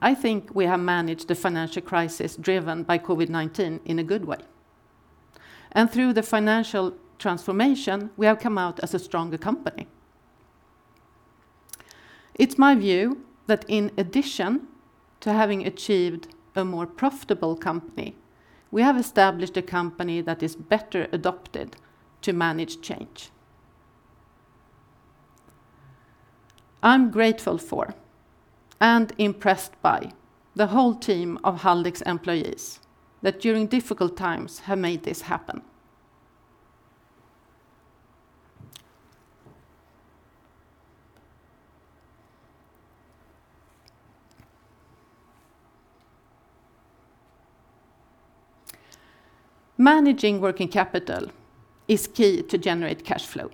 I think we have managed the financial crisis driven by COVID-19 in a good way, and through the financial transformation, we have come out as a stronger company. It's my view that in addition to having achieved a more profitable company, we have established a company that is better adapted to manage change. I'm grateful for and impressed by the whole team of Haldex employees that during difficult times have made this happen. Managing working capital is key to generate cash flow.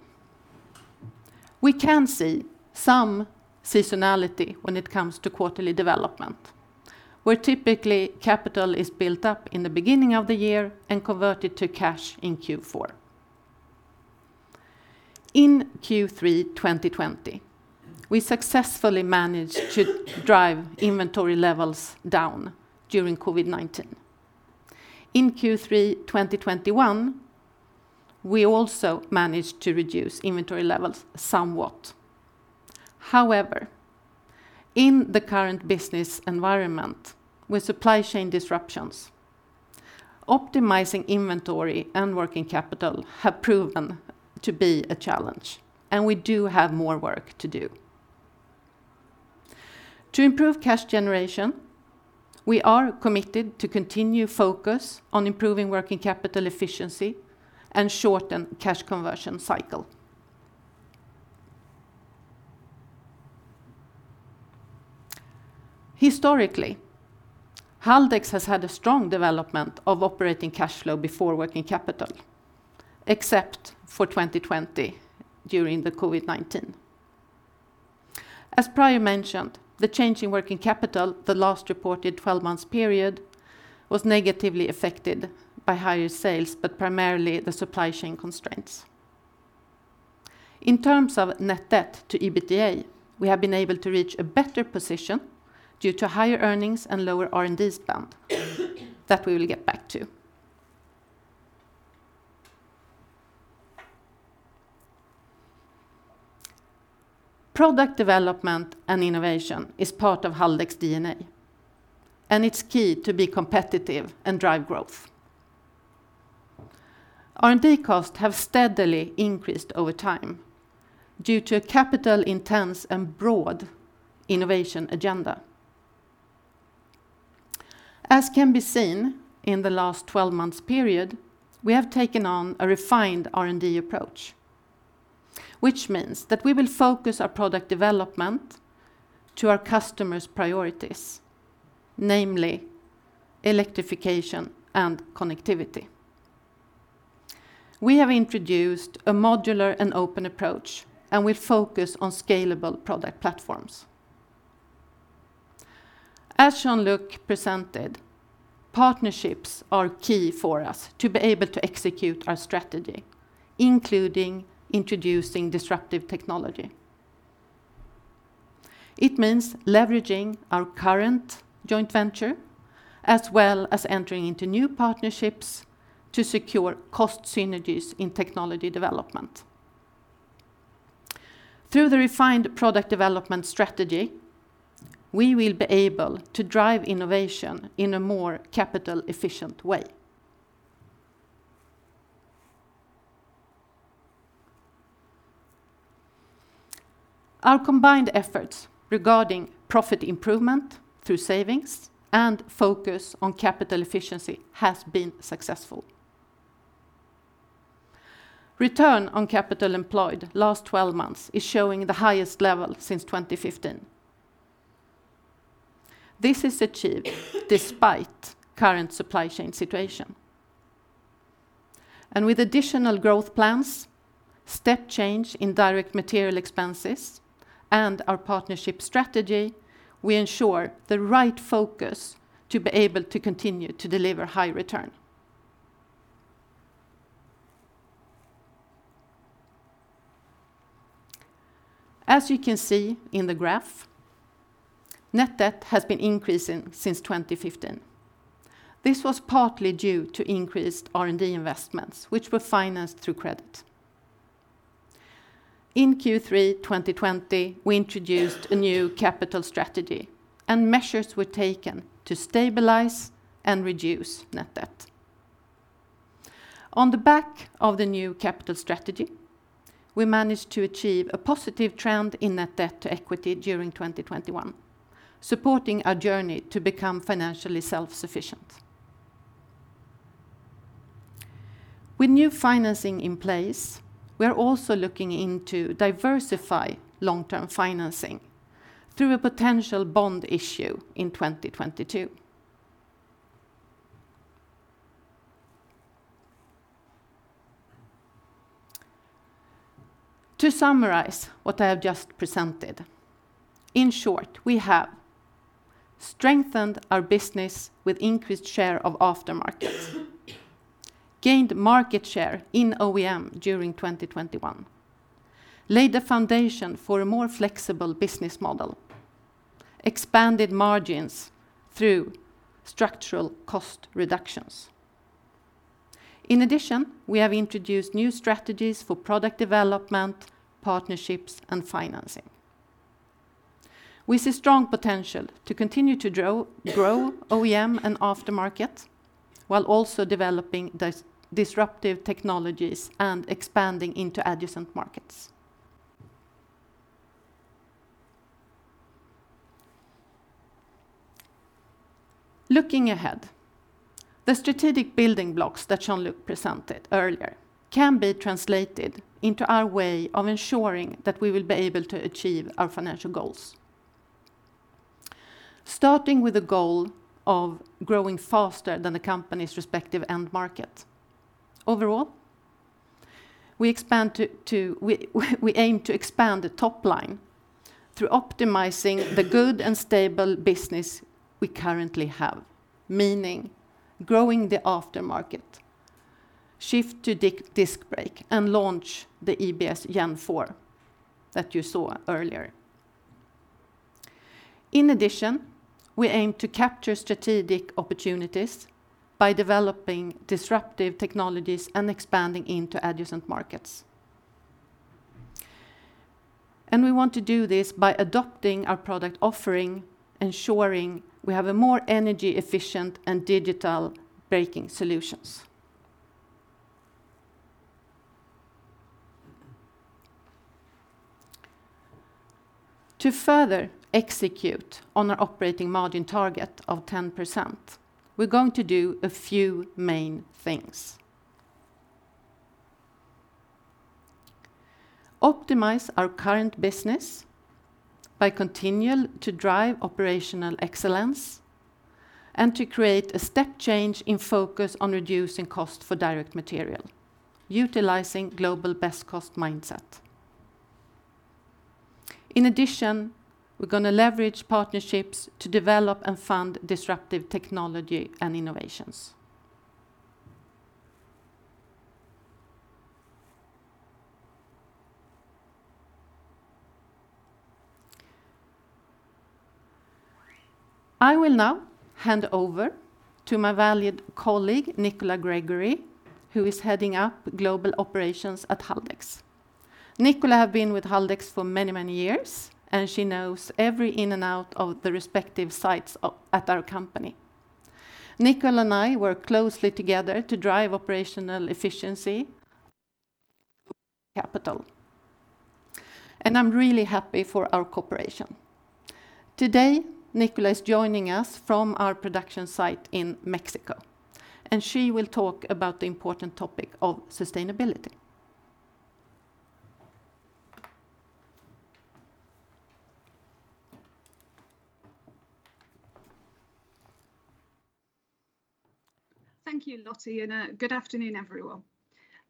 We can see some seasonality when it comes to quarterly development, where typically capital is built up in the beginning of the year and converted to cash in Q4. In Q3 2020, we successfully managed to drive inventory levels down during COVID-19. In Q3 2021, we also managed to reduce inventory levels somewhat. However, in the current business environment with supply chain disruptions, optimizing inventory and working capital have proven to be a challenge, and we do have more work to do. To improve cash generation, we are committed to continue focus on improving working capital efficiency and shorten cash conversion cycle. Historically, Haldex has had a strong development of operating cash flow before working capital, except for 2020 during the COVID-19. As previously mentioned, the change in working capital in the last reported 12 months period was negatively affected by higher sales, but primarily by the supply chain constraints. In terms of net debt to EBITDA, we have been able to reach a better position due to higher earnings and lower R&D spend that we will get back to. Product development and innovation is part of Haldex DNA, and it's key to be competitive and drive growth. R&D costs have steadily increased over time due to a capital-intensive and broad innovation agenda. As can be seen in the last 12 months period, we have taken on a refined R&D approach, which means that we will focus our product development on our customers' priorities, namely electrification and connectivity. We have introduced a modular and open approach, and we focus on scalable product platforms. As Jean-Luc presented, partnerships are key for us to be able to execute our strategy, including introducing disruptive technology. It means leveraging our current joint venture as well as entering into new partnerships to secure cost synergies in technology development. Through the refined product development strategy, we will be able to drive innovation in a more capital efficient way. Our combined efforts regarding profit improvement through savings and focus on capital efficiency has been successful. Return on capital employed last 12 months is showing the highest level since 2015. This is achieved despite current supply chain situation. With additional growth plans, step change in direct material expenses, and our partnership strategy, we ensure the right focus to be able to continue to deliver high return. As you can see in the graph, net debt has been increasing since 2015. This was partly due to increased R&D investments, which were financed through credit. In Q3 2020, we introduced a new capital strategy, and measures were taken to stabilize and reduce net debt. On the back of the new capital strategy, we managed to achieve a positive trend in net debt to equity during 2021, supporting our journey to become financially self-sufficient. With new financing in place, we're also looking to diversify long-term financing through a potential bond issue in 2022. To summarize what I have just presented, in short, we have strengthened our business with increased share of aftermarket, gained market share in OEM during 2021, laid the foundation for a more flexible business model, expanded margins through structural cost reductions. In addition, we have introduced new strategies for product development, partnerships, and financing. We see strong potential to continue to grow OEM and aftermarket while also developing disruptive technologies and expanding into adjacent markets. Looking ahead, the strategic building blocks that Jean-Luc presented earlier can be translated into our way of ensuring that we will be able to achieve our financial goals. Starting with the goal of growing faster than the company's respective end market. Overall, we aim to expand the top line through optimizing the good and stable business we currently have, meaning growing the aftermarket, shift to disc brake, and launch the EBS Gen 4 that you saw earlier. In addition, we aim to capture strategic opportunities by developing disruptive technologies and expanding into adjacent markets. We want to do this by adapting our product offering, ensuring we have a more energy-efficient and digital braking solutions. To further execute on our operating margin target of 10%, we're going to do a few main things. Optimize our current business by continuing to drive operational excellence and to create a step change in focus on reducing cost for direct material, utilizing global best-cost mindset. In addition, we're gonna leverage partnerships to develop and fund disruptive technology and innovations. I will now hand over to my valued colleague, Nicola Gregory, who is heading up Global Operations at Haldex. Nicola has been with Haldex for many, many years, and she knows every ins and out of the respective sites at our company. Nicola and I work closely together to drive operational efficiency, capital, and I'm really happy with our cooperation. Today, Nicola is joining us from our production site in Mexico, and she will talk about the important topic of sustainability. Thank you, Lottie, and good afternoon, everyone.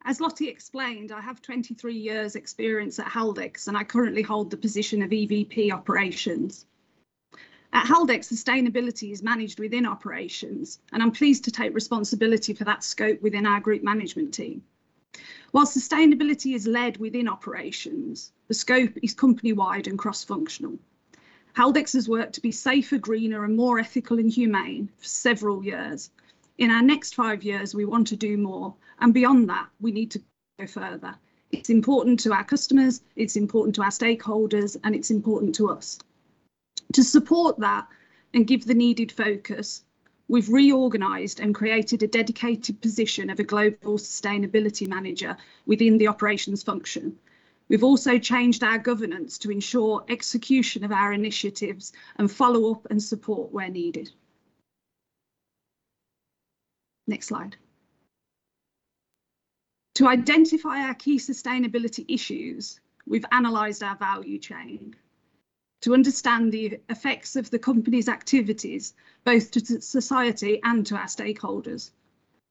As Lottie explained, I have 23 years' experience at Haldex, and I currently hold the position of EVP Operations. At Haldex, sustainability is managed within operations, and I'm pleased to take responsibility for that scope within our group management team. While sustainability is led within operations, the scope is company-wide and cross-functional. Haldex has worked to be safer, greener, and more ethical and humane for several years. In our next five years, we want to do more, and beyond that, we need to go further. It's important to our customers, it's important to our stakeholders, and it's important to us. To support that and give the needed focus, we've reorganized and created a dedicated position of a Global Sustainability Manager within the operations function. We've also changed our governance to ensure execution of our initiatives and follow-up and support where needed. Next slide. To identify our key sustainability issues, we've analyzed our value chain to understand the effects of the company's activities, both to society and to our stakeholders.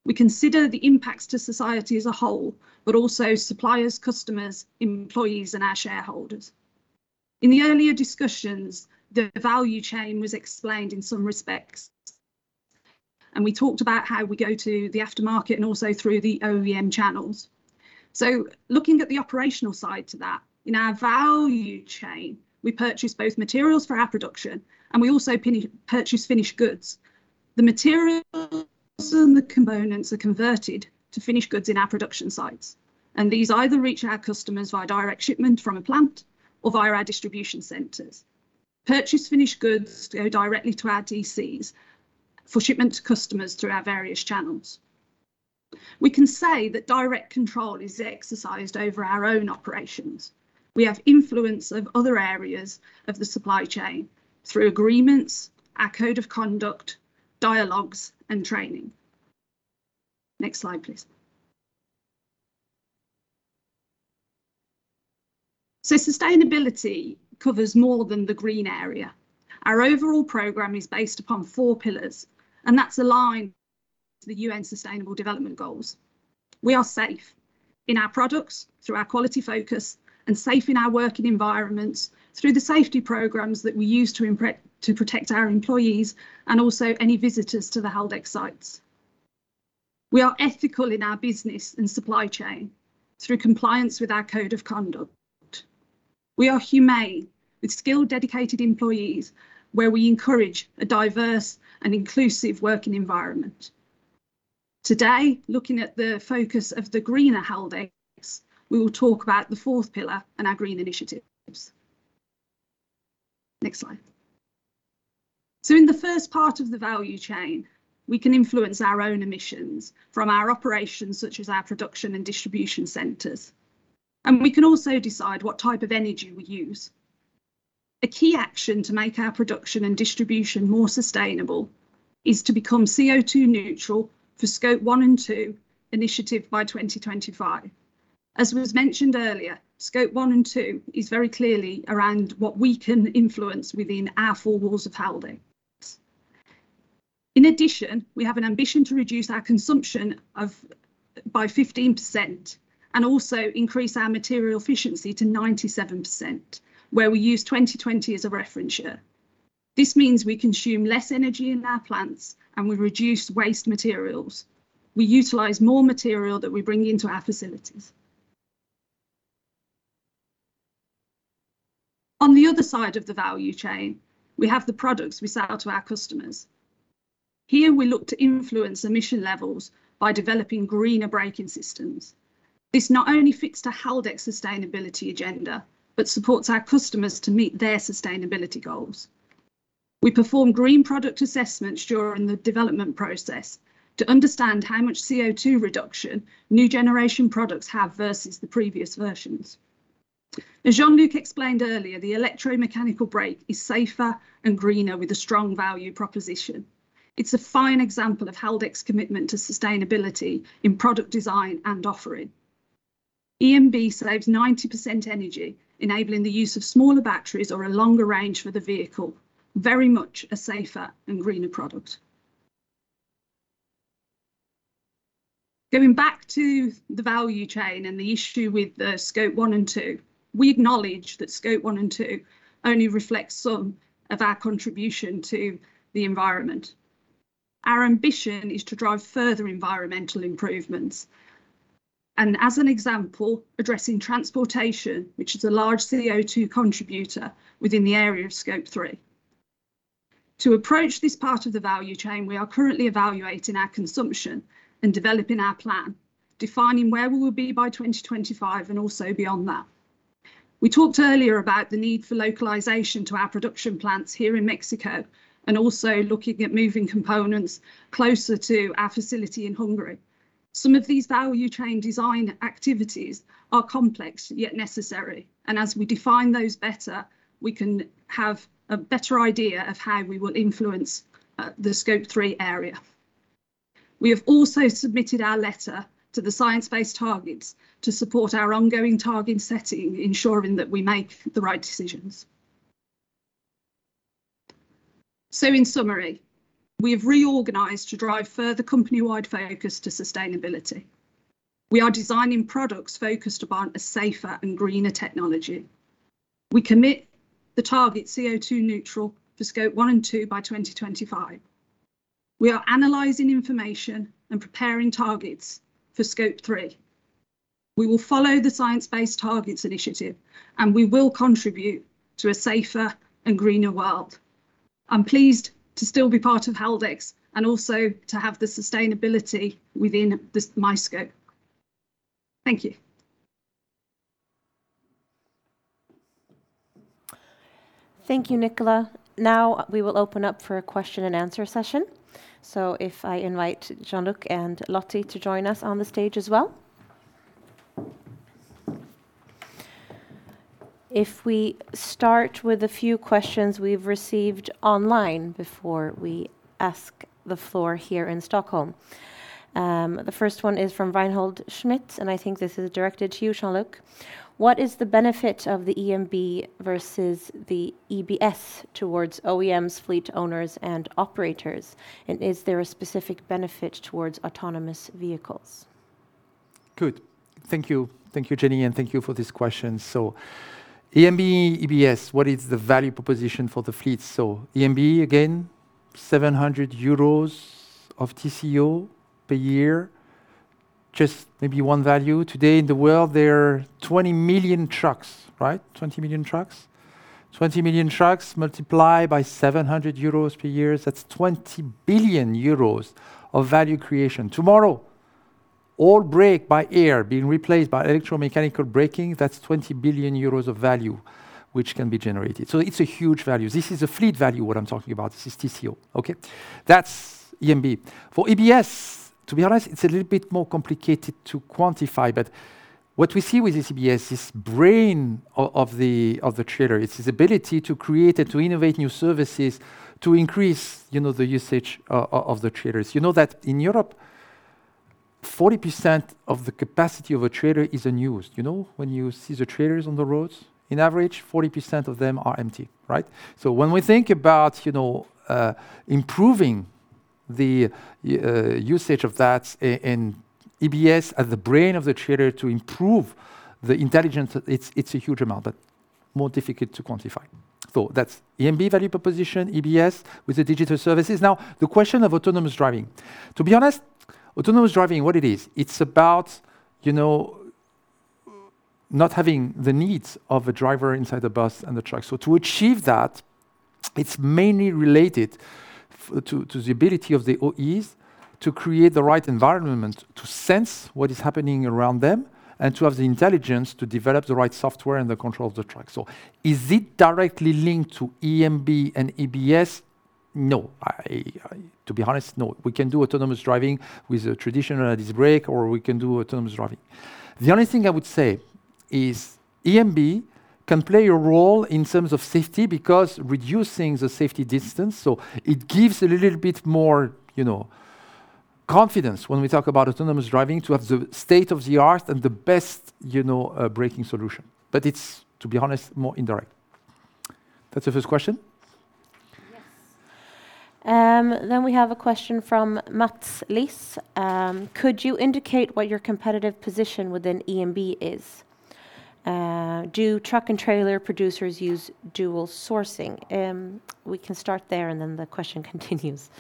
We consider the impacts to society as a whole, but also suppliers, customers, employees, and our shareholders. In the earlier discussions, the value chain was explained in some respects, and we talked about how we go to the aftermarket and also through the OEM channels. Looking at the operational side to that, in our value chain. We purchase both materials for our production, and we also purchase finished goods. The materials and the components are converted to finished goods in our production sites, and these either reach our customers via direct shipment from a plant or via our distribution centers. Purchased finished goods go directly to our DCs for shipment to customers through our various channels. We can say that direct control is exercised over our own operations. We have influence of other areas of the supply chain through agreements, our code of conduct, dialogues, and training. Next slide, please. Sustainability covers more than the green area. Our overall program is based upon four pillars, and that's aligned to the UN Sustainable Development Goals. We are safe in our products through our quality focus and safe in our working environments through the safety programs that we use to protect our employees and also any visitors to the Haldex sites. We are ethical in our business and supply chain through compliance with our code of conduct. We are humane with skilled, dedicated employees where we encourage a diverse and inclusive working environment. Today, looking at the focus of the greener Haldex, we will talk about the fourth pillar and our green initiatives. Next slide. In the first part of the value chain, we can influence our own emissions from our operations such as our production and distribution centers, and we can also decide what type of energy we use. A key action to make our production and distribution more sustainable is to become CO2 neutral for Scope 1 and 2 emissions by 2025. As was mentioned earlier, Scope 1 and 2 is very clearly around what we can influence within our four walls of Haldex. In addition, we have an ambition to reduce our consumption of energy by 15%, and also increase our material efficiency to 97%, where we use 2020 as a reference year. This means we consume less energy in our plants, and we reduce waste materials. We utilize more material that we bring into our facilities. On the other side of the value chain, we have the products we sell to our customers. Here, we look to influence emission levels by developing greener braking systems. This not only fits to Haldex sustainability agenda but supports our customers to meet their sustainability goals. We perform green product assessments during the development process to understand how much CO2 reduction new generation products have versus the previous versions. As Jean-Luc explained earlier, the electromechanical brake is safer and greener with a strong value proposition. It's a fine example of Haldex commitment to sustainability in product design and offering. EMB saves 90% energy, enabling the use of smaller batteries or a longer range for the vehicle. Very much a safer and greener product. Going back to the value chain and the issue with the Scope 1 and 2, we acknowledge that Scope 1 and 2 only reflects some of our contribution to the environment. Our ambition is to drive further environmental improvements and, as an example, addressing transportation, which is a large CO2 contributor within the area of Scope 3. To approach this part of the value chain, we are currently evaluating our consumption and developing our plan, defining where we will be by 2025 and also beyond that. We talked earlier about the need for localization to our production plants here in Mexico and also looking at moving components closer to our facility in Hungary. Some of these value chain design activities are complex yet necessary, and as we define those better, we can have a better idea of how we will influence the Scope 3 area. We have also submitted our letter to the Science Based Targets to support our ongoing target setting, ensuring that we make the right decisions. In summary, we have reorganized to drive further company-wide focus to sustainability. We are designing products focused upon a safer and greener technology. We commit the target CO2 neutral for Scope 1 and Scope 2 by 2025. We are analyzing information and preparing targets for Scope 3. We will follow the Science Based Targets initiative, and we will contribute to a safer and greener world. I'm pleased to still be part of Haldex and also to have the sustainability within this, my scope. Thank you. Thank you, Nicola. Now, we will open up for a question and answer session. If I invite Jean-Luc and Lottie to join us on the stage as well. If we start with a few questions we've received online before we ask the floor here in Stockholm. The first one is from Reinhold Schmitz, and I think this is directed to you, Jean-Luc. What is the benefit of the EMB versus the EBS towards OEMs, fleet owners, and operators? And is there a specific benefit towards autonomous vehicles? Good. Thank you. Thank you, Jenny, and thank you for this question. EMB, EBS, what is the value proposition for the fleet? EMB, again, 700 euros of TCO per year. Just maybe one value. Today in the world, there are 20 million trucks, right? 20 million trucks. 20 million trucks multiplied by 700 euros per year, that's 20 billion euros of value creation. Tomorrow, all brake by air being replaced by electromechanical braking, that's 20 billion euros of value which can be generated. It's a huge value. This is a fleet value, what I'm talking about. This is TCO. Okay? That's EMB. For EBS, to be honest, it's a little bit more complicated to quantify, but what we see with this EBS, this brain of the trailer, it's this ability to create and to innovate new services to increase, you know, the usage of the trailers. You know that in Europe, 40% of the capacity of a trailer is unused, you know? When you see the trailers on the roads, on average, 40% of them are empty, right? When we think about, you know, improving the usage of that and EBS as the brain of the trailer to improve the intelligence, it's a huge amount, but more difficult to quantify. That's EMB value proposition, EBS with the digital services. Now, the question of autonomous driving. To be honest, autonomous driving, what it is, it's about, you know, not having the needs of a driver inside the bus and the truck. To achieve that, it's mainly related to the ability of the OEs to create the right environment, to sense what is happening around them, and to have the intelligence to develop the right software and the control of the truck. Is it directly linked to EMB and EBS? No. I to be honest, no. We can do autonomous driving with a traditional ADAS brake, or we can do autonomous driving. The only thing I would say is EMB can play a role in terms of safety because reducing the safety distance, so it gives a little bit more, you know, confidence when we talk about autonomous driving to have the state-of-the-art and the best, you know, braking solution. It's, to be honest, more indirect. That's the first question? Yes. We have a question from Mats Liss. Could you indicate what your competitive position within EMB is? Do truck and trailer producers use dual sourcing? We can start there, and then the question continues.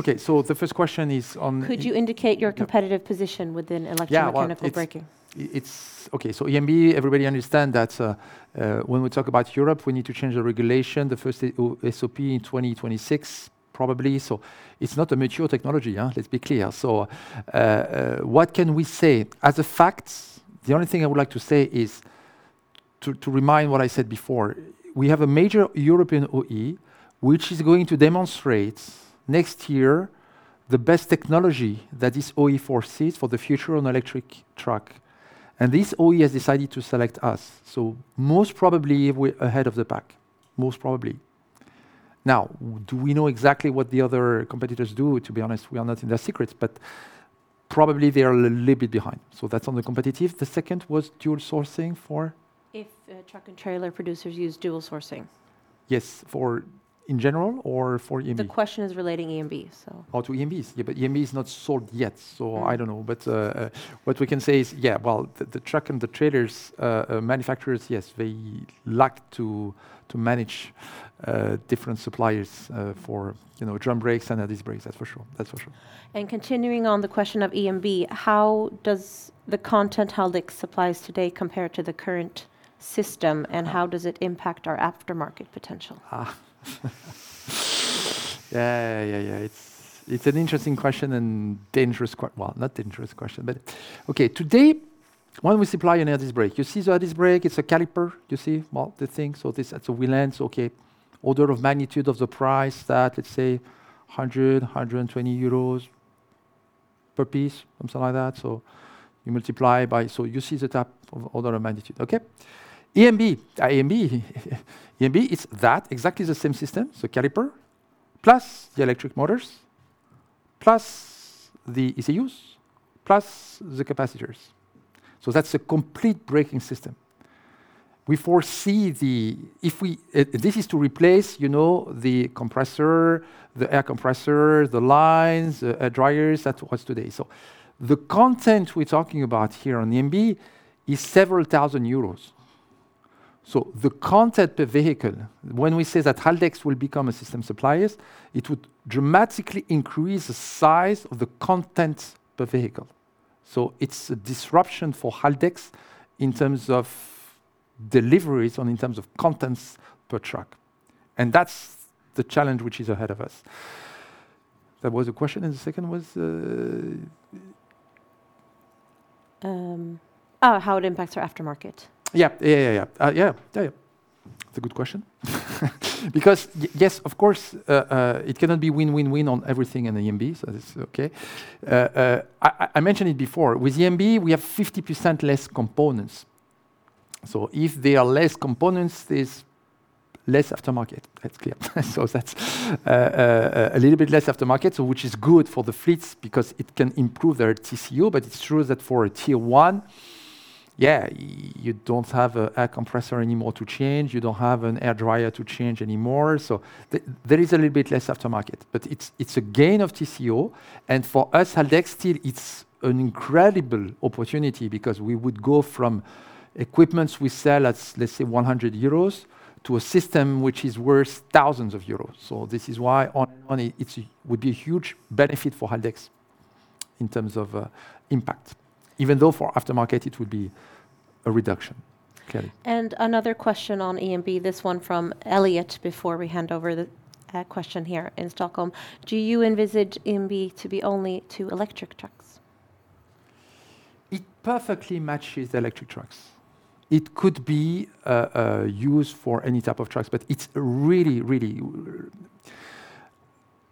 Okay. The first question is on Could you indicate your competitive position within electro- Yeah. Well, it's. mechanical braking? Okay. EMB, everybody understand that, when we talk about Europe, we need to change the regulation, the first SOP in 2026 probably. It's not a mature technology, let's be clear. What can we say? As a fact, the only thing I would like to say is to remind what I said before, we have a major European OE which is going to demonstrate next year the best technology that this OE foresees for the future on electric truck. This OE has decided to select us. Most probably we're ahead of the pack, most probably. Now, do we know exactly what the other competitors do? To be honest, we are not in their secrets, but probably they are a little bit behind. That's on the competitive. The second was dual sourcing for? If truck and trailer producers use dual sourcing. Yes. For in general or for EMB? The question is relating to EMB. To EMBs. Yeah, but EMB is not sold yet, so I don't know. Mm-hmm. what we can say is, yeah, well, the truck and trailer manufacturers, yes, they like to manage different suppliers for you know drum brakes and air disc brakes, that's for sure. Continuing on the question of EMB, how does the content Haldex supplies today compare to the current system, and how does it impact our aftermarket potential? Yeah. It's an interesting question and well, not dangerous question. Today, when we supply an ADAS brake, you see the ADAS brake, it's a caliper, you see? Well, wheel ends, okay. Order of magnitude of the price, that's let's say 100-120 euros per piece, something like that. You multiply by. You see the type of order of magnitude. Okay. EMB. EMB is that, exactly the same system, the caliper, plus the electric motors, plus the ECUs, plus the capacitors. That's a complete braking system. This is to replace, you know, the compressor, the air compressor, the lines, dryers. That's what's today. The content we're talking about here on EMB is several thousand EUR. The content per vehicle, when we say that Haldex will become a system suppliers, it would dramatically increase the size of the content per vehicle. It's a disruption for Haldex in terms of deliveries and in terms of contents per truck, and that's the challenge which is ahead of us. That was a question, and the second was, How it impacts our aftermarket. Yeah. It's a good question. Yes, of course, it cannot be win-win-win on everything in EMB, so this is okay. I mentioned it before. With EMB, we have 50% less components. If there are less components, there's less aftermarket. That's clear. That's a little bit less aftermarket, which is good for the fleets because it can improve their TCO, but it's true that for a tier one, you don't have an air compressor anymore to change. You don't have an air dryer to change anymore. There is a little bit less aftermarket. It's a gain of TCO, and for us, Haldex, still it's an incredible opportunity because we would go from equipment we sell at, let's say 100 euros, to a system which is worth thousands of euros. This is why it would be a huge benefit for Haldex. In terms of impact. Even though for aftermarket it would be a reduction. Clearly. Another question on EMB, this one from Elliot, before we hand over the question here in Stockholm. Do you envisage EMB to be only to electric trucks? It perfectly matches electric trucks. It could be used for any type of trucks, but it's really, really.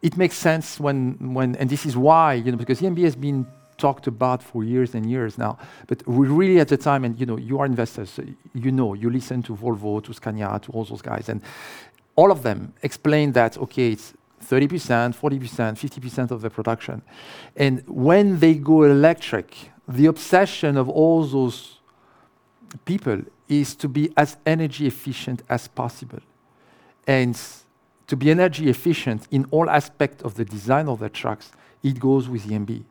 It makes sense. This is why, you know, because EMB has been talked about for years and years now. But we're really at the time, and, you know, you are investors, so you know, you listen to Volvo, to Scania, to all those guys. All of them explain that, okay, it's 30%, 40%, 50% of the production. When they go electric, the obsession of all those people is to be as energy efficient as possible. To be energy efficient in all aspect of the design of the trucks, it goes with EMB.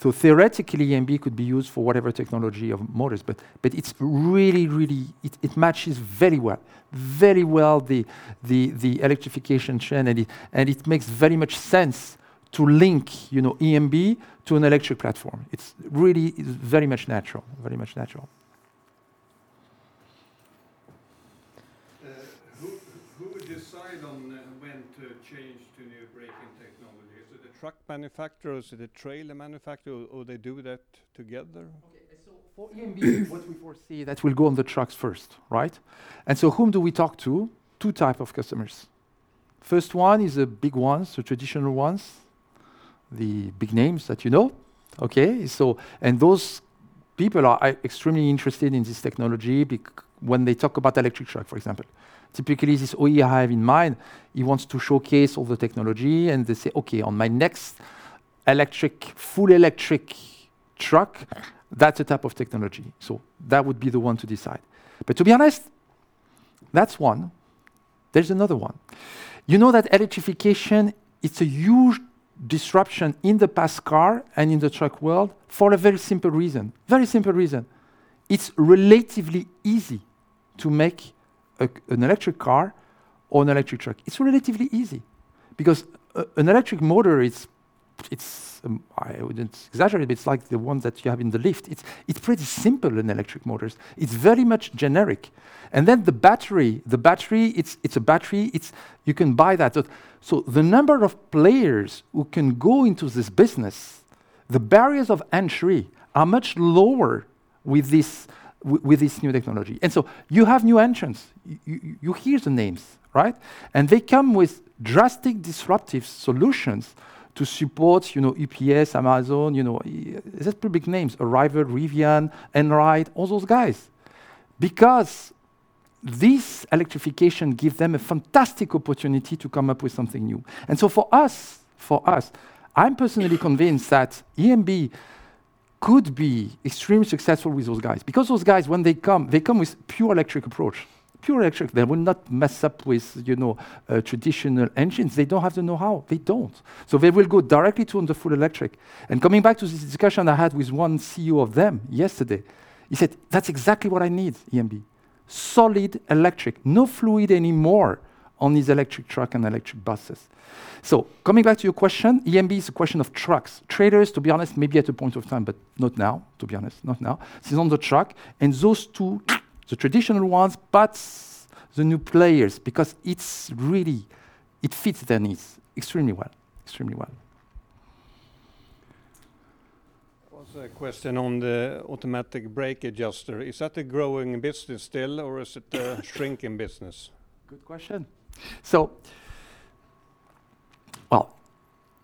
So theoretically, EMB could be used for whatever technology of motors. But it's really, really. It matches very well the electrification trend and it makes very much sense to link, you know, EMB to an electric platform. It's really very much natural. Who would decide on when to change to new braking technology? Is it the truck manufacturers or the trailer manufacturer, or they do that together? Okay. For EMB, what we foresee, that will go on the trucks first, right? Whom do we talk to? Two types of customers. First one is the big ones, the traditional ones, the big names that you know. Okay? And those people are extremely interested in this technology when they talk about electric truck, for example. Typically, this OE I have in mind, he wants to showcase all the technology and they say, "Okay, on my next electric, full electric truck, that's the type of technology." That would be the one to decide. To be honest, that's one. There's another one. You know that electrification, it's a huge disruption in the passenger car and in the truck world for a very simple reason. Very simple reason. It's relatively easy to make an electric car or an electric truck. It's relatively easy because an electric motor is. I wouldn't exaggerate it. It's like the one that you have in the lift. It's pretty simple, an electric motor is. It's very much generic. Then the battery, it's a battery. You can buy that. The number of players who can go into this business, the barriers of entry are much lower with this new technology. You have new entrants. You hear the names, right? They come with drastic, disruptive solutions to support, you know, UPS, Amazon, you know, just public names. Arrival, Rivian, Einride, all those guys. Because this electrification give them a fantastic opportunity to come up with something new. For us, I'm personally convinced that EMB could be extremely successful with those guys. Because those guys, when they come, they come with pure electric approach. Pure electric. They will not mess up with, you know, traditional engines. They don't have the know-how. They don't. They will go directly to the full electric. Coming back to this discussion I had with one CEO of them yesterday, he said, "That's exactly what I need, EMB. Solid electric. No fluid anymore on these electric truck and electric buses." Coming back to your question, EMB is a question of trucks. Trailers, to be honest, maybe at a point of time, but not now, to be honest. Not now. This is on the truck. Those two, the traditional ones, but the new players, because it's really, it fits their needs extremely well. Extremely well. There was a question on the automatic brake adjuster. Is that a growing business still, or is it a shrinking business? Good question. Well,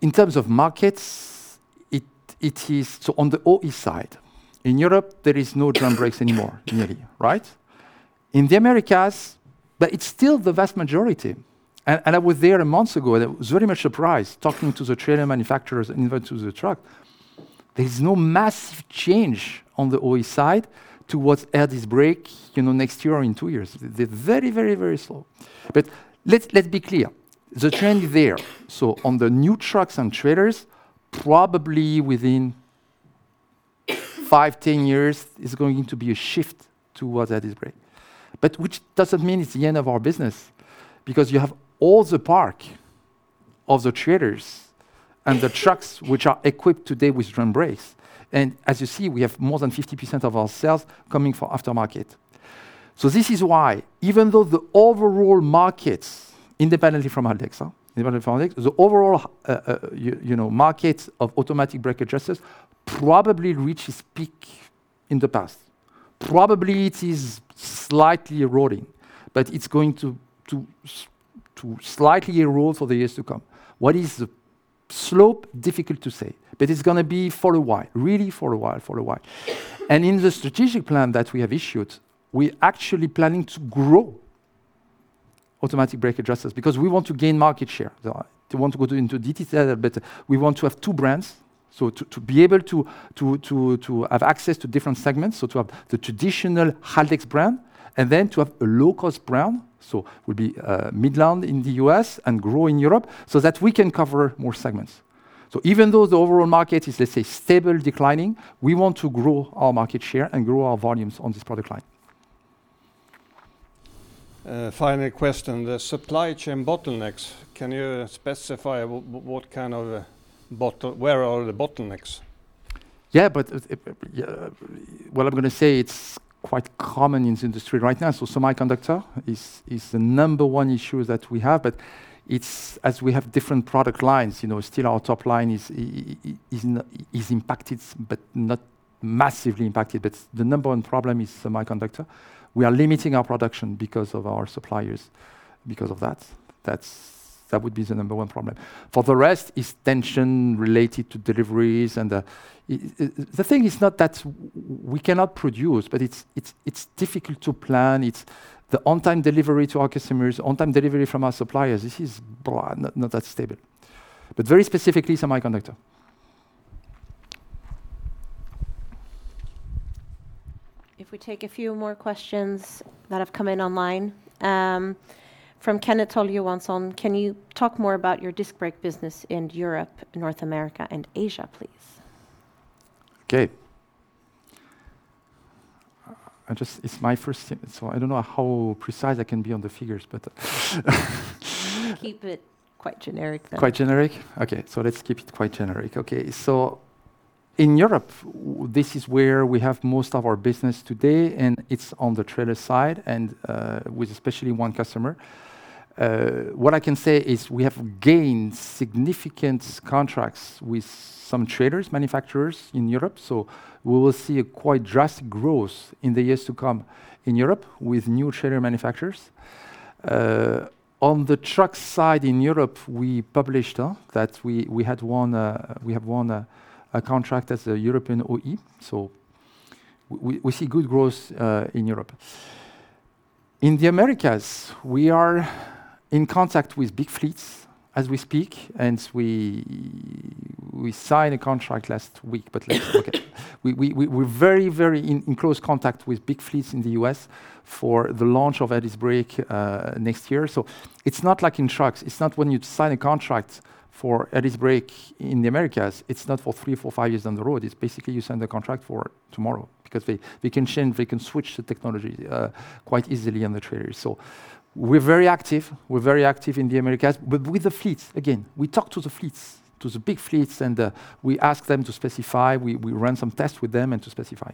in terms of markets, it is. On the OE side, in Europe, there is no drum brakes anymore, nearly, right? In the Americas, it's still the vast majority. I was there a month ago, and I was very much surprised talking to the trailer manufacturers and even to the truck. There's no massive change on the OE side towards air disc brake, you know, next year or in two years. They're very slow. Let's be clear, the trend is there. On the new trucks and trailers, probably within five to 10 years, it's going to be a shift towards air disc brake. Which doesn't mean it's the end of our business, because you have all the parc of the trailers and the trucks which are equipped today with drum brakes. As you see, we have more than 50% of our sales coming from aftermarket. This is why, even though the markets, independently from Haldex, you know, markets of Automatic Brake Adjusters probably reached its peak in the past. Probably it is slightly eroding, but it's going to slightly erode for the years to come. What is the slope? Difficult to say. But it's gonna be for a while. Really for a while. In the strategic plan that we have issued, we're actually planning to grow Automatic Brake Adjusters because we want to gain market share. Don't want to go into detail, but we want to have two brands. To be able to have access to different segments. To have the traditional Haldex brand, and then to have a low cost brand, so would be, Midland in the U.S. and grow in Europe, so that we can cover more segments. Even though the overall market is, let's say, stable, declining, we want to grow our market share and grow our volumes on this product line. The supply chain bottlenecks, can you specify where are the bottlenecks? Yeah, yeah, what I'm gonna say, it's quite common in this industry right now. Semiconductor is the number one issue that we have, but it's, as we have different product lines, you know, still our top line is impacted but not massively impacted. The number one problem is semiconductor. We are limiting our production because of our suppliers, because of that. That would be the number one problem. For the rest is tension related to deliveries and, the thing is not that we cannot produce, but it's difficult to plan. It's the on-time delivery to our customers, on-time delivery from our suppliers. This is not that stable. Very specifically, semiconductor. If we take a few more questions that have come in online, from Kenneth Toll Johansson: Can you talk more about your disc brake business in Europe, North America, and Asia, please? Okay. It's my first, so I don't know how precise I can be on the figures, but Keep it quite generic then. Quite generic? Okay. Let's keep it quite generic. Okay. In Europe, this is where we have most of our business today, and it's on the trailer side and with especially one customer. What I can say is we have gained significant contracts with some trailer manufacturers in Europe, so we will see quite drastic growth in the years to come in Europe with new trailer manufacturers. On the truck side in Europe, we published that we have won a contract as a European OE, so we see good growth in Europe. In the Americas, we are in contact with big fleets as we speak, and we signed a contract last week, but late. Okay. We're very in close contact with big fleets in the U.S. for the launch of ADB brake next year. It's not like in trucks. It's not when you sign a contract for ADB brake in the Americas, it's not for three, four, five years down the road. It's basically you sign the contract for tomorrow because they can change, they can switch the technology quite easily on the trailers. We're very active in the Americas, but with the fleets, again, we talk to the fleets, to the big fleets, and we ask them to specify. We run some tests with them and to specify.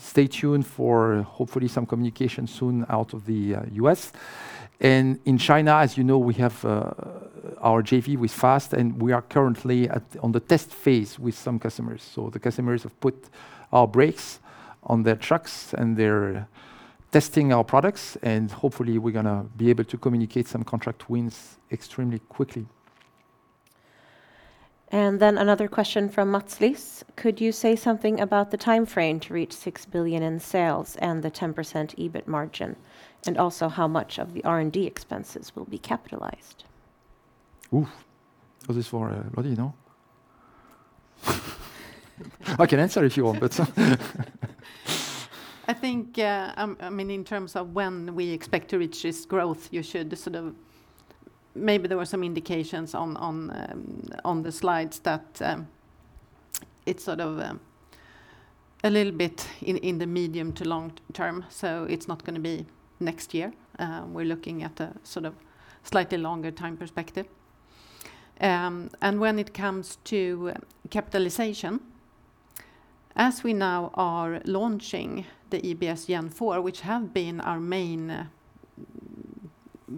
Stay tuned for hopefully some communication soon out of the U.S. In China, as you know, we have our JV with Fast, and we are currently on the test phase with some customers. The customers have put our brakes on their trucks, and they're testing our products, and hopefully we're gonna be able to communicate some contract wins extremely quickly. Another question from Mats Liss: Could you say something about the timeframe to reach 6 billion in sales and the 10% EBIT margin, and also how much of the R&D expenses will be capitalized? Oof. This is for Lottie, no? I can answer if you want, but. I think, I mean, in terms of when we expect to reach this growth, you should sort of. Maybe there were some indications on the slides that it's sort of a little bit in the medium to long term. It's not gonna be next year. We're looking at a sort of slightly longer time perspective. When it comes to capitalization, as we now are launching the EB+ 4.0, which have been our main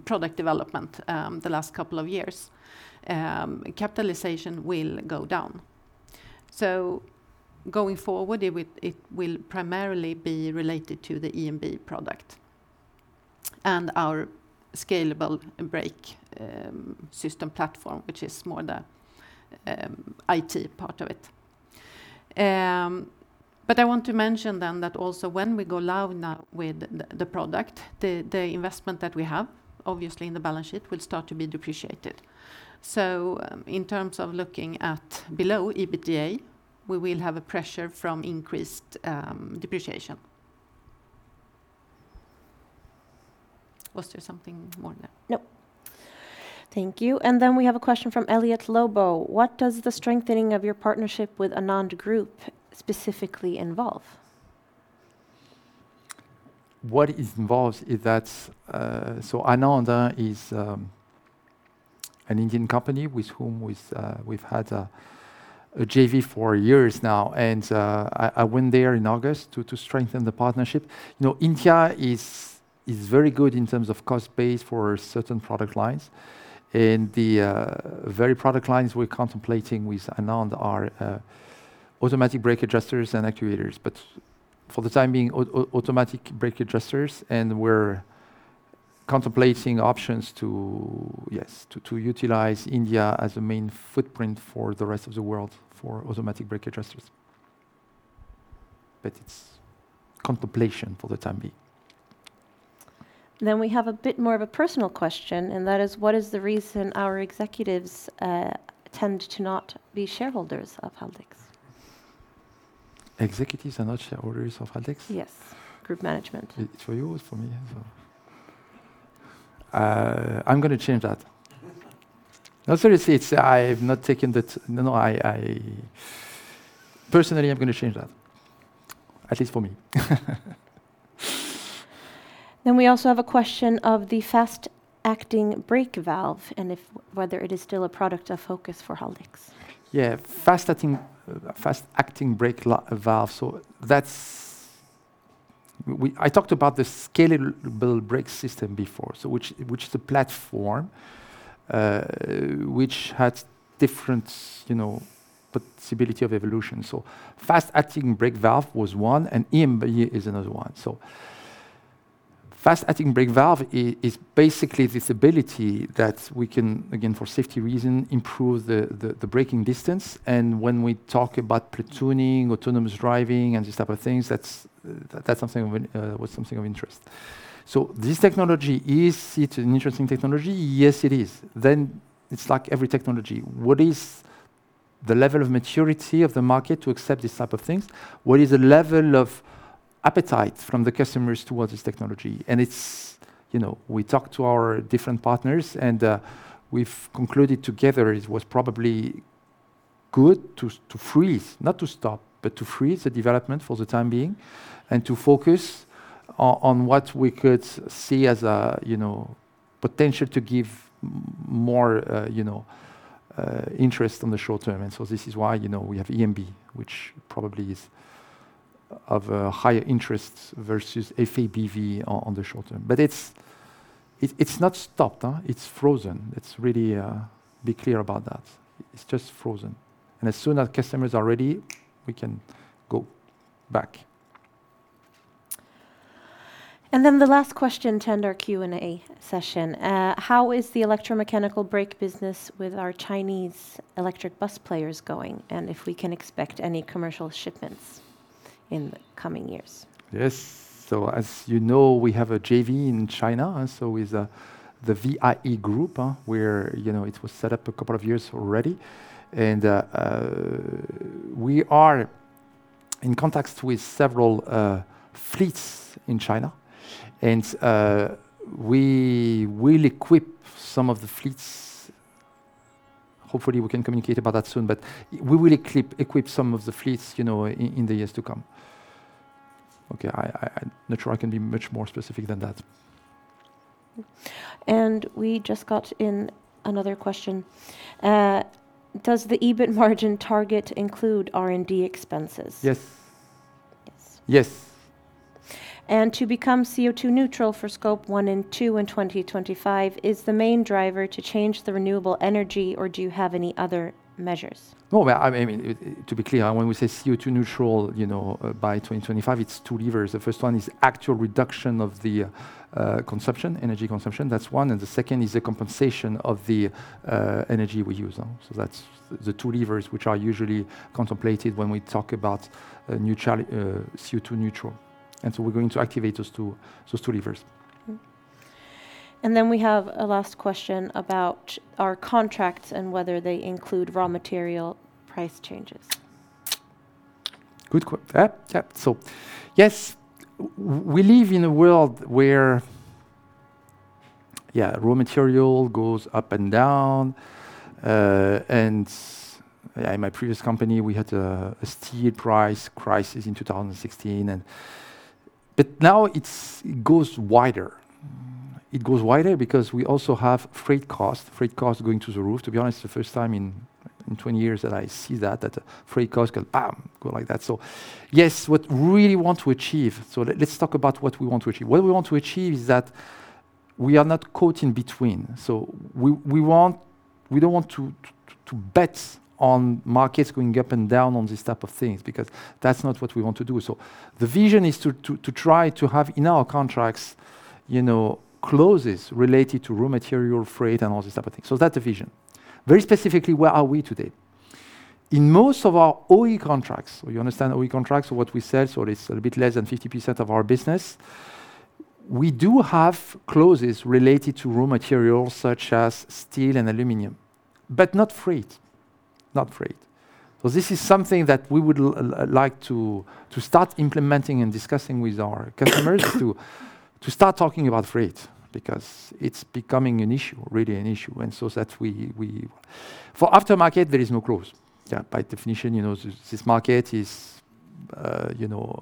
product development the last couple of years, capitalization will go down. Going forward, it will primarily be related to the EMB product and our scalable brake system platform, which is more the IT part of it. I want to mention then that also when we go live now with the product, the investment that we have, obviously in the balance sheet, will start to be depreciated. In terms of looking at below EBITDA, we will have a pressure from increased depreciation. Was there something more than that? No. Thank you. We have a question from Elliot Lobo: What does the strengthening of your partnership with ANAND Group specifically involve? What is involved is that ANAND is an Indian company with whom we've had a JV for years now, and I went there in August to strengthen the partnership. You know, India is very good in terms of cost base for certain product lines, and the very product lines we're contemplating with ANAND are Automatic Brake Adjusters and actuators. For the time being, Automatic Brake Adjusters, and we're contemplating options to utilize India as a main footprint for the rest of the world for Automatic Brake Adjusters. It's contemplation for the time being. We have a bit more of a personal question, and that is: What is the reason our executives tend to not be shareholders of Haldex? Executives are not shareholders of Haldex? Yes. Group management. It's for you or for me? I'm gonna change that. No, seriously, it's. I've not taken that. No, I personally am gonna change that, at least for me. We also have a question of the Fast-Acting Brake Valve and whether it is still a product of focus for Haldex. Yeah, Fast Acting Brake Valve, so that's. I talked about the scalable brake system before, so which is a platform which has different, you know, possibility of evolution. Fast Acting Brake Valve was one, and EMB is another one. Fast Acting Brake Valve is basically this ability that we can, again, for safety reason, improve the braking distance. When we talk about platooning, autonomous driving, and these type of things, that's something of interest. This technology, is it an interesting technology? Yes, it is. Then it's like every technology. What is the level of maturity of the market to accept these type of things? What is the level of appetite from the customers towards this technology? It's, you know, we talk to our different partners, and we've concluded together it was probably good to freeze, not to stop, but to freeze the development for the time being, and to focus on what we could see as a potential to give more interest in the short term. This is why, you know, we have EMB, which probably is of a higher interest versus FABV on the short term. It's not stopped, huh? It's frozen. Let's really be clear about that. It's just frozen. As soon as customers are ready, we can go back. The last question to end our Q&A session. "How is the Electromechanical Brake business with our Chinese electric bus players going, and if we can expect any commercial shipments in the coming years? Yes. As you know, we have a JV in China with the VIE Group, where, you know, it was set up a couple of years already. We are in contact with several fleets in China. We will equip some of the fleets. Hopefully, we can communicate about that soon, but we will equip some of the fleets, you know, in the years to come. Okay. I'm not sure I can be much more specific than that. We just got in another question. "Does the EBIT margin target include R&D expenses? Yes. Yes. Yes. To become CO2 neutral for Scope 1 and 2 in 2025, is the main driver to change to renewable energy, or do you have any other measures? No, well, I mean, to be clear, when we say CO2 neutral, you know, by 2025, it's two levers. The first one is actual reduction of the consumption, energy consumption. That's one, and the second is the compensation of the energy we use. That's the two levers which are usually contemplated when we talk about CO2 neutral. We're going to activate those two levers. We have a last question about our contracts and whether they include raw material price changes. Yeah. Yeah. Yes, we live in a world where, yeah, raw material goes up and down. In my previous company, we had a steel price crisis in 2016. Now it goes wider. It goes wider because we also have freight costs going through the roof. To be honest, the first time in 20 years that I see that freight costs go bam, go like that. What we really want to achieve, let's talk about what we want to achieve. What we want to achieve is that we are not caught in between. We don't want to bet on markets going up and down on these type of things because that's not what we want to do. The vision is to try to have in our contracts, you know, clauses related to raw material, freight, and all these type of things. That's the vision. Very specifically, where are we today? In most of our OE contracts, you understand OE contracts are what we sell, so it is a bit less than 50% of our business. We do have clauses related to raw materials such as steel and aluminum, but not freight. Not freight. This is something that we would like to start implementing and discussing with our customers to start talking about freight because it's becoming an issue, really an issue. For aftermarket, there is no clause. Yeah, by definition, you know, this market is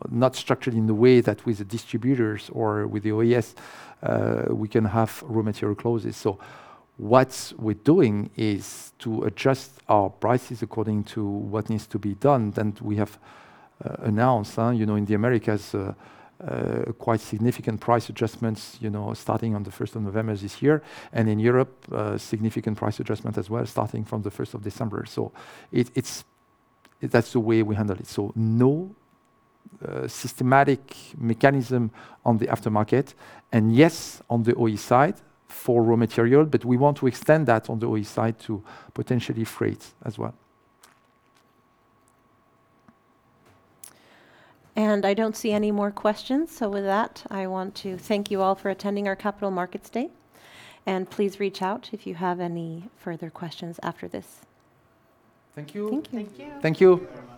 not structured in the way that with the distributors or with the OEs we can have raw material clauses. What we're doing is to adjust our prices according to what needs to be done. We have announced, you know, in the Americas, quite significant price adjustments, you know, starting on the 1st of November this year, and in Europe, significant price adjustments as well starting from the 1st of December. That's the way we handle it. No systematic mechanism on the aftermarket, and yes on the OE side for raw material, but we want to extend that on the OE side to potentially freight as well. I don't see any more questions, so with that, I want to thank you all for attending our Capital Markets Day, and please reach out if you have any further questions after this. Thank you. Thank you. Thank you very much.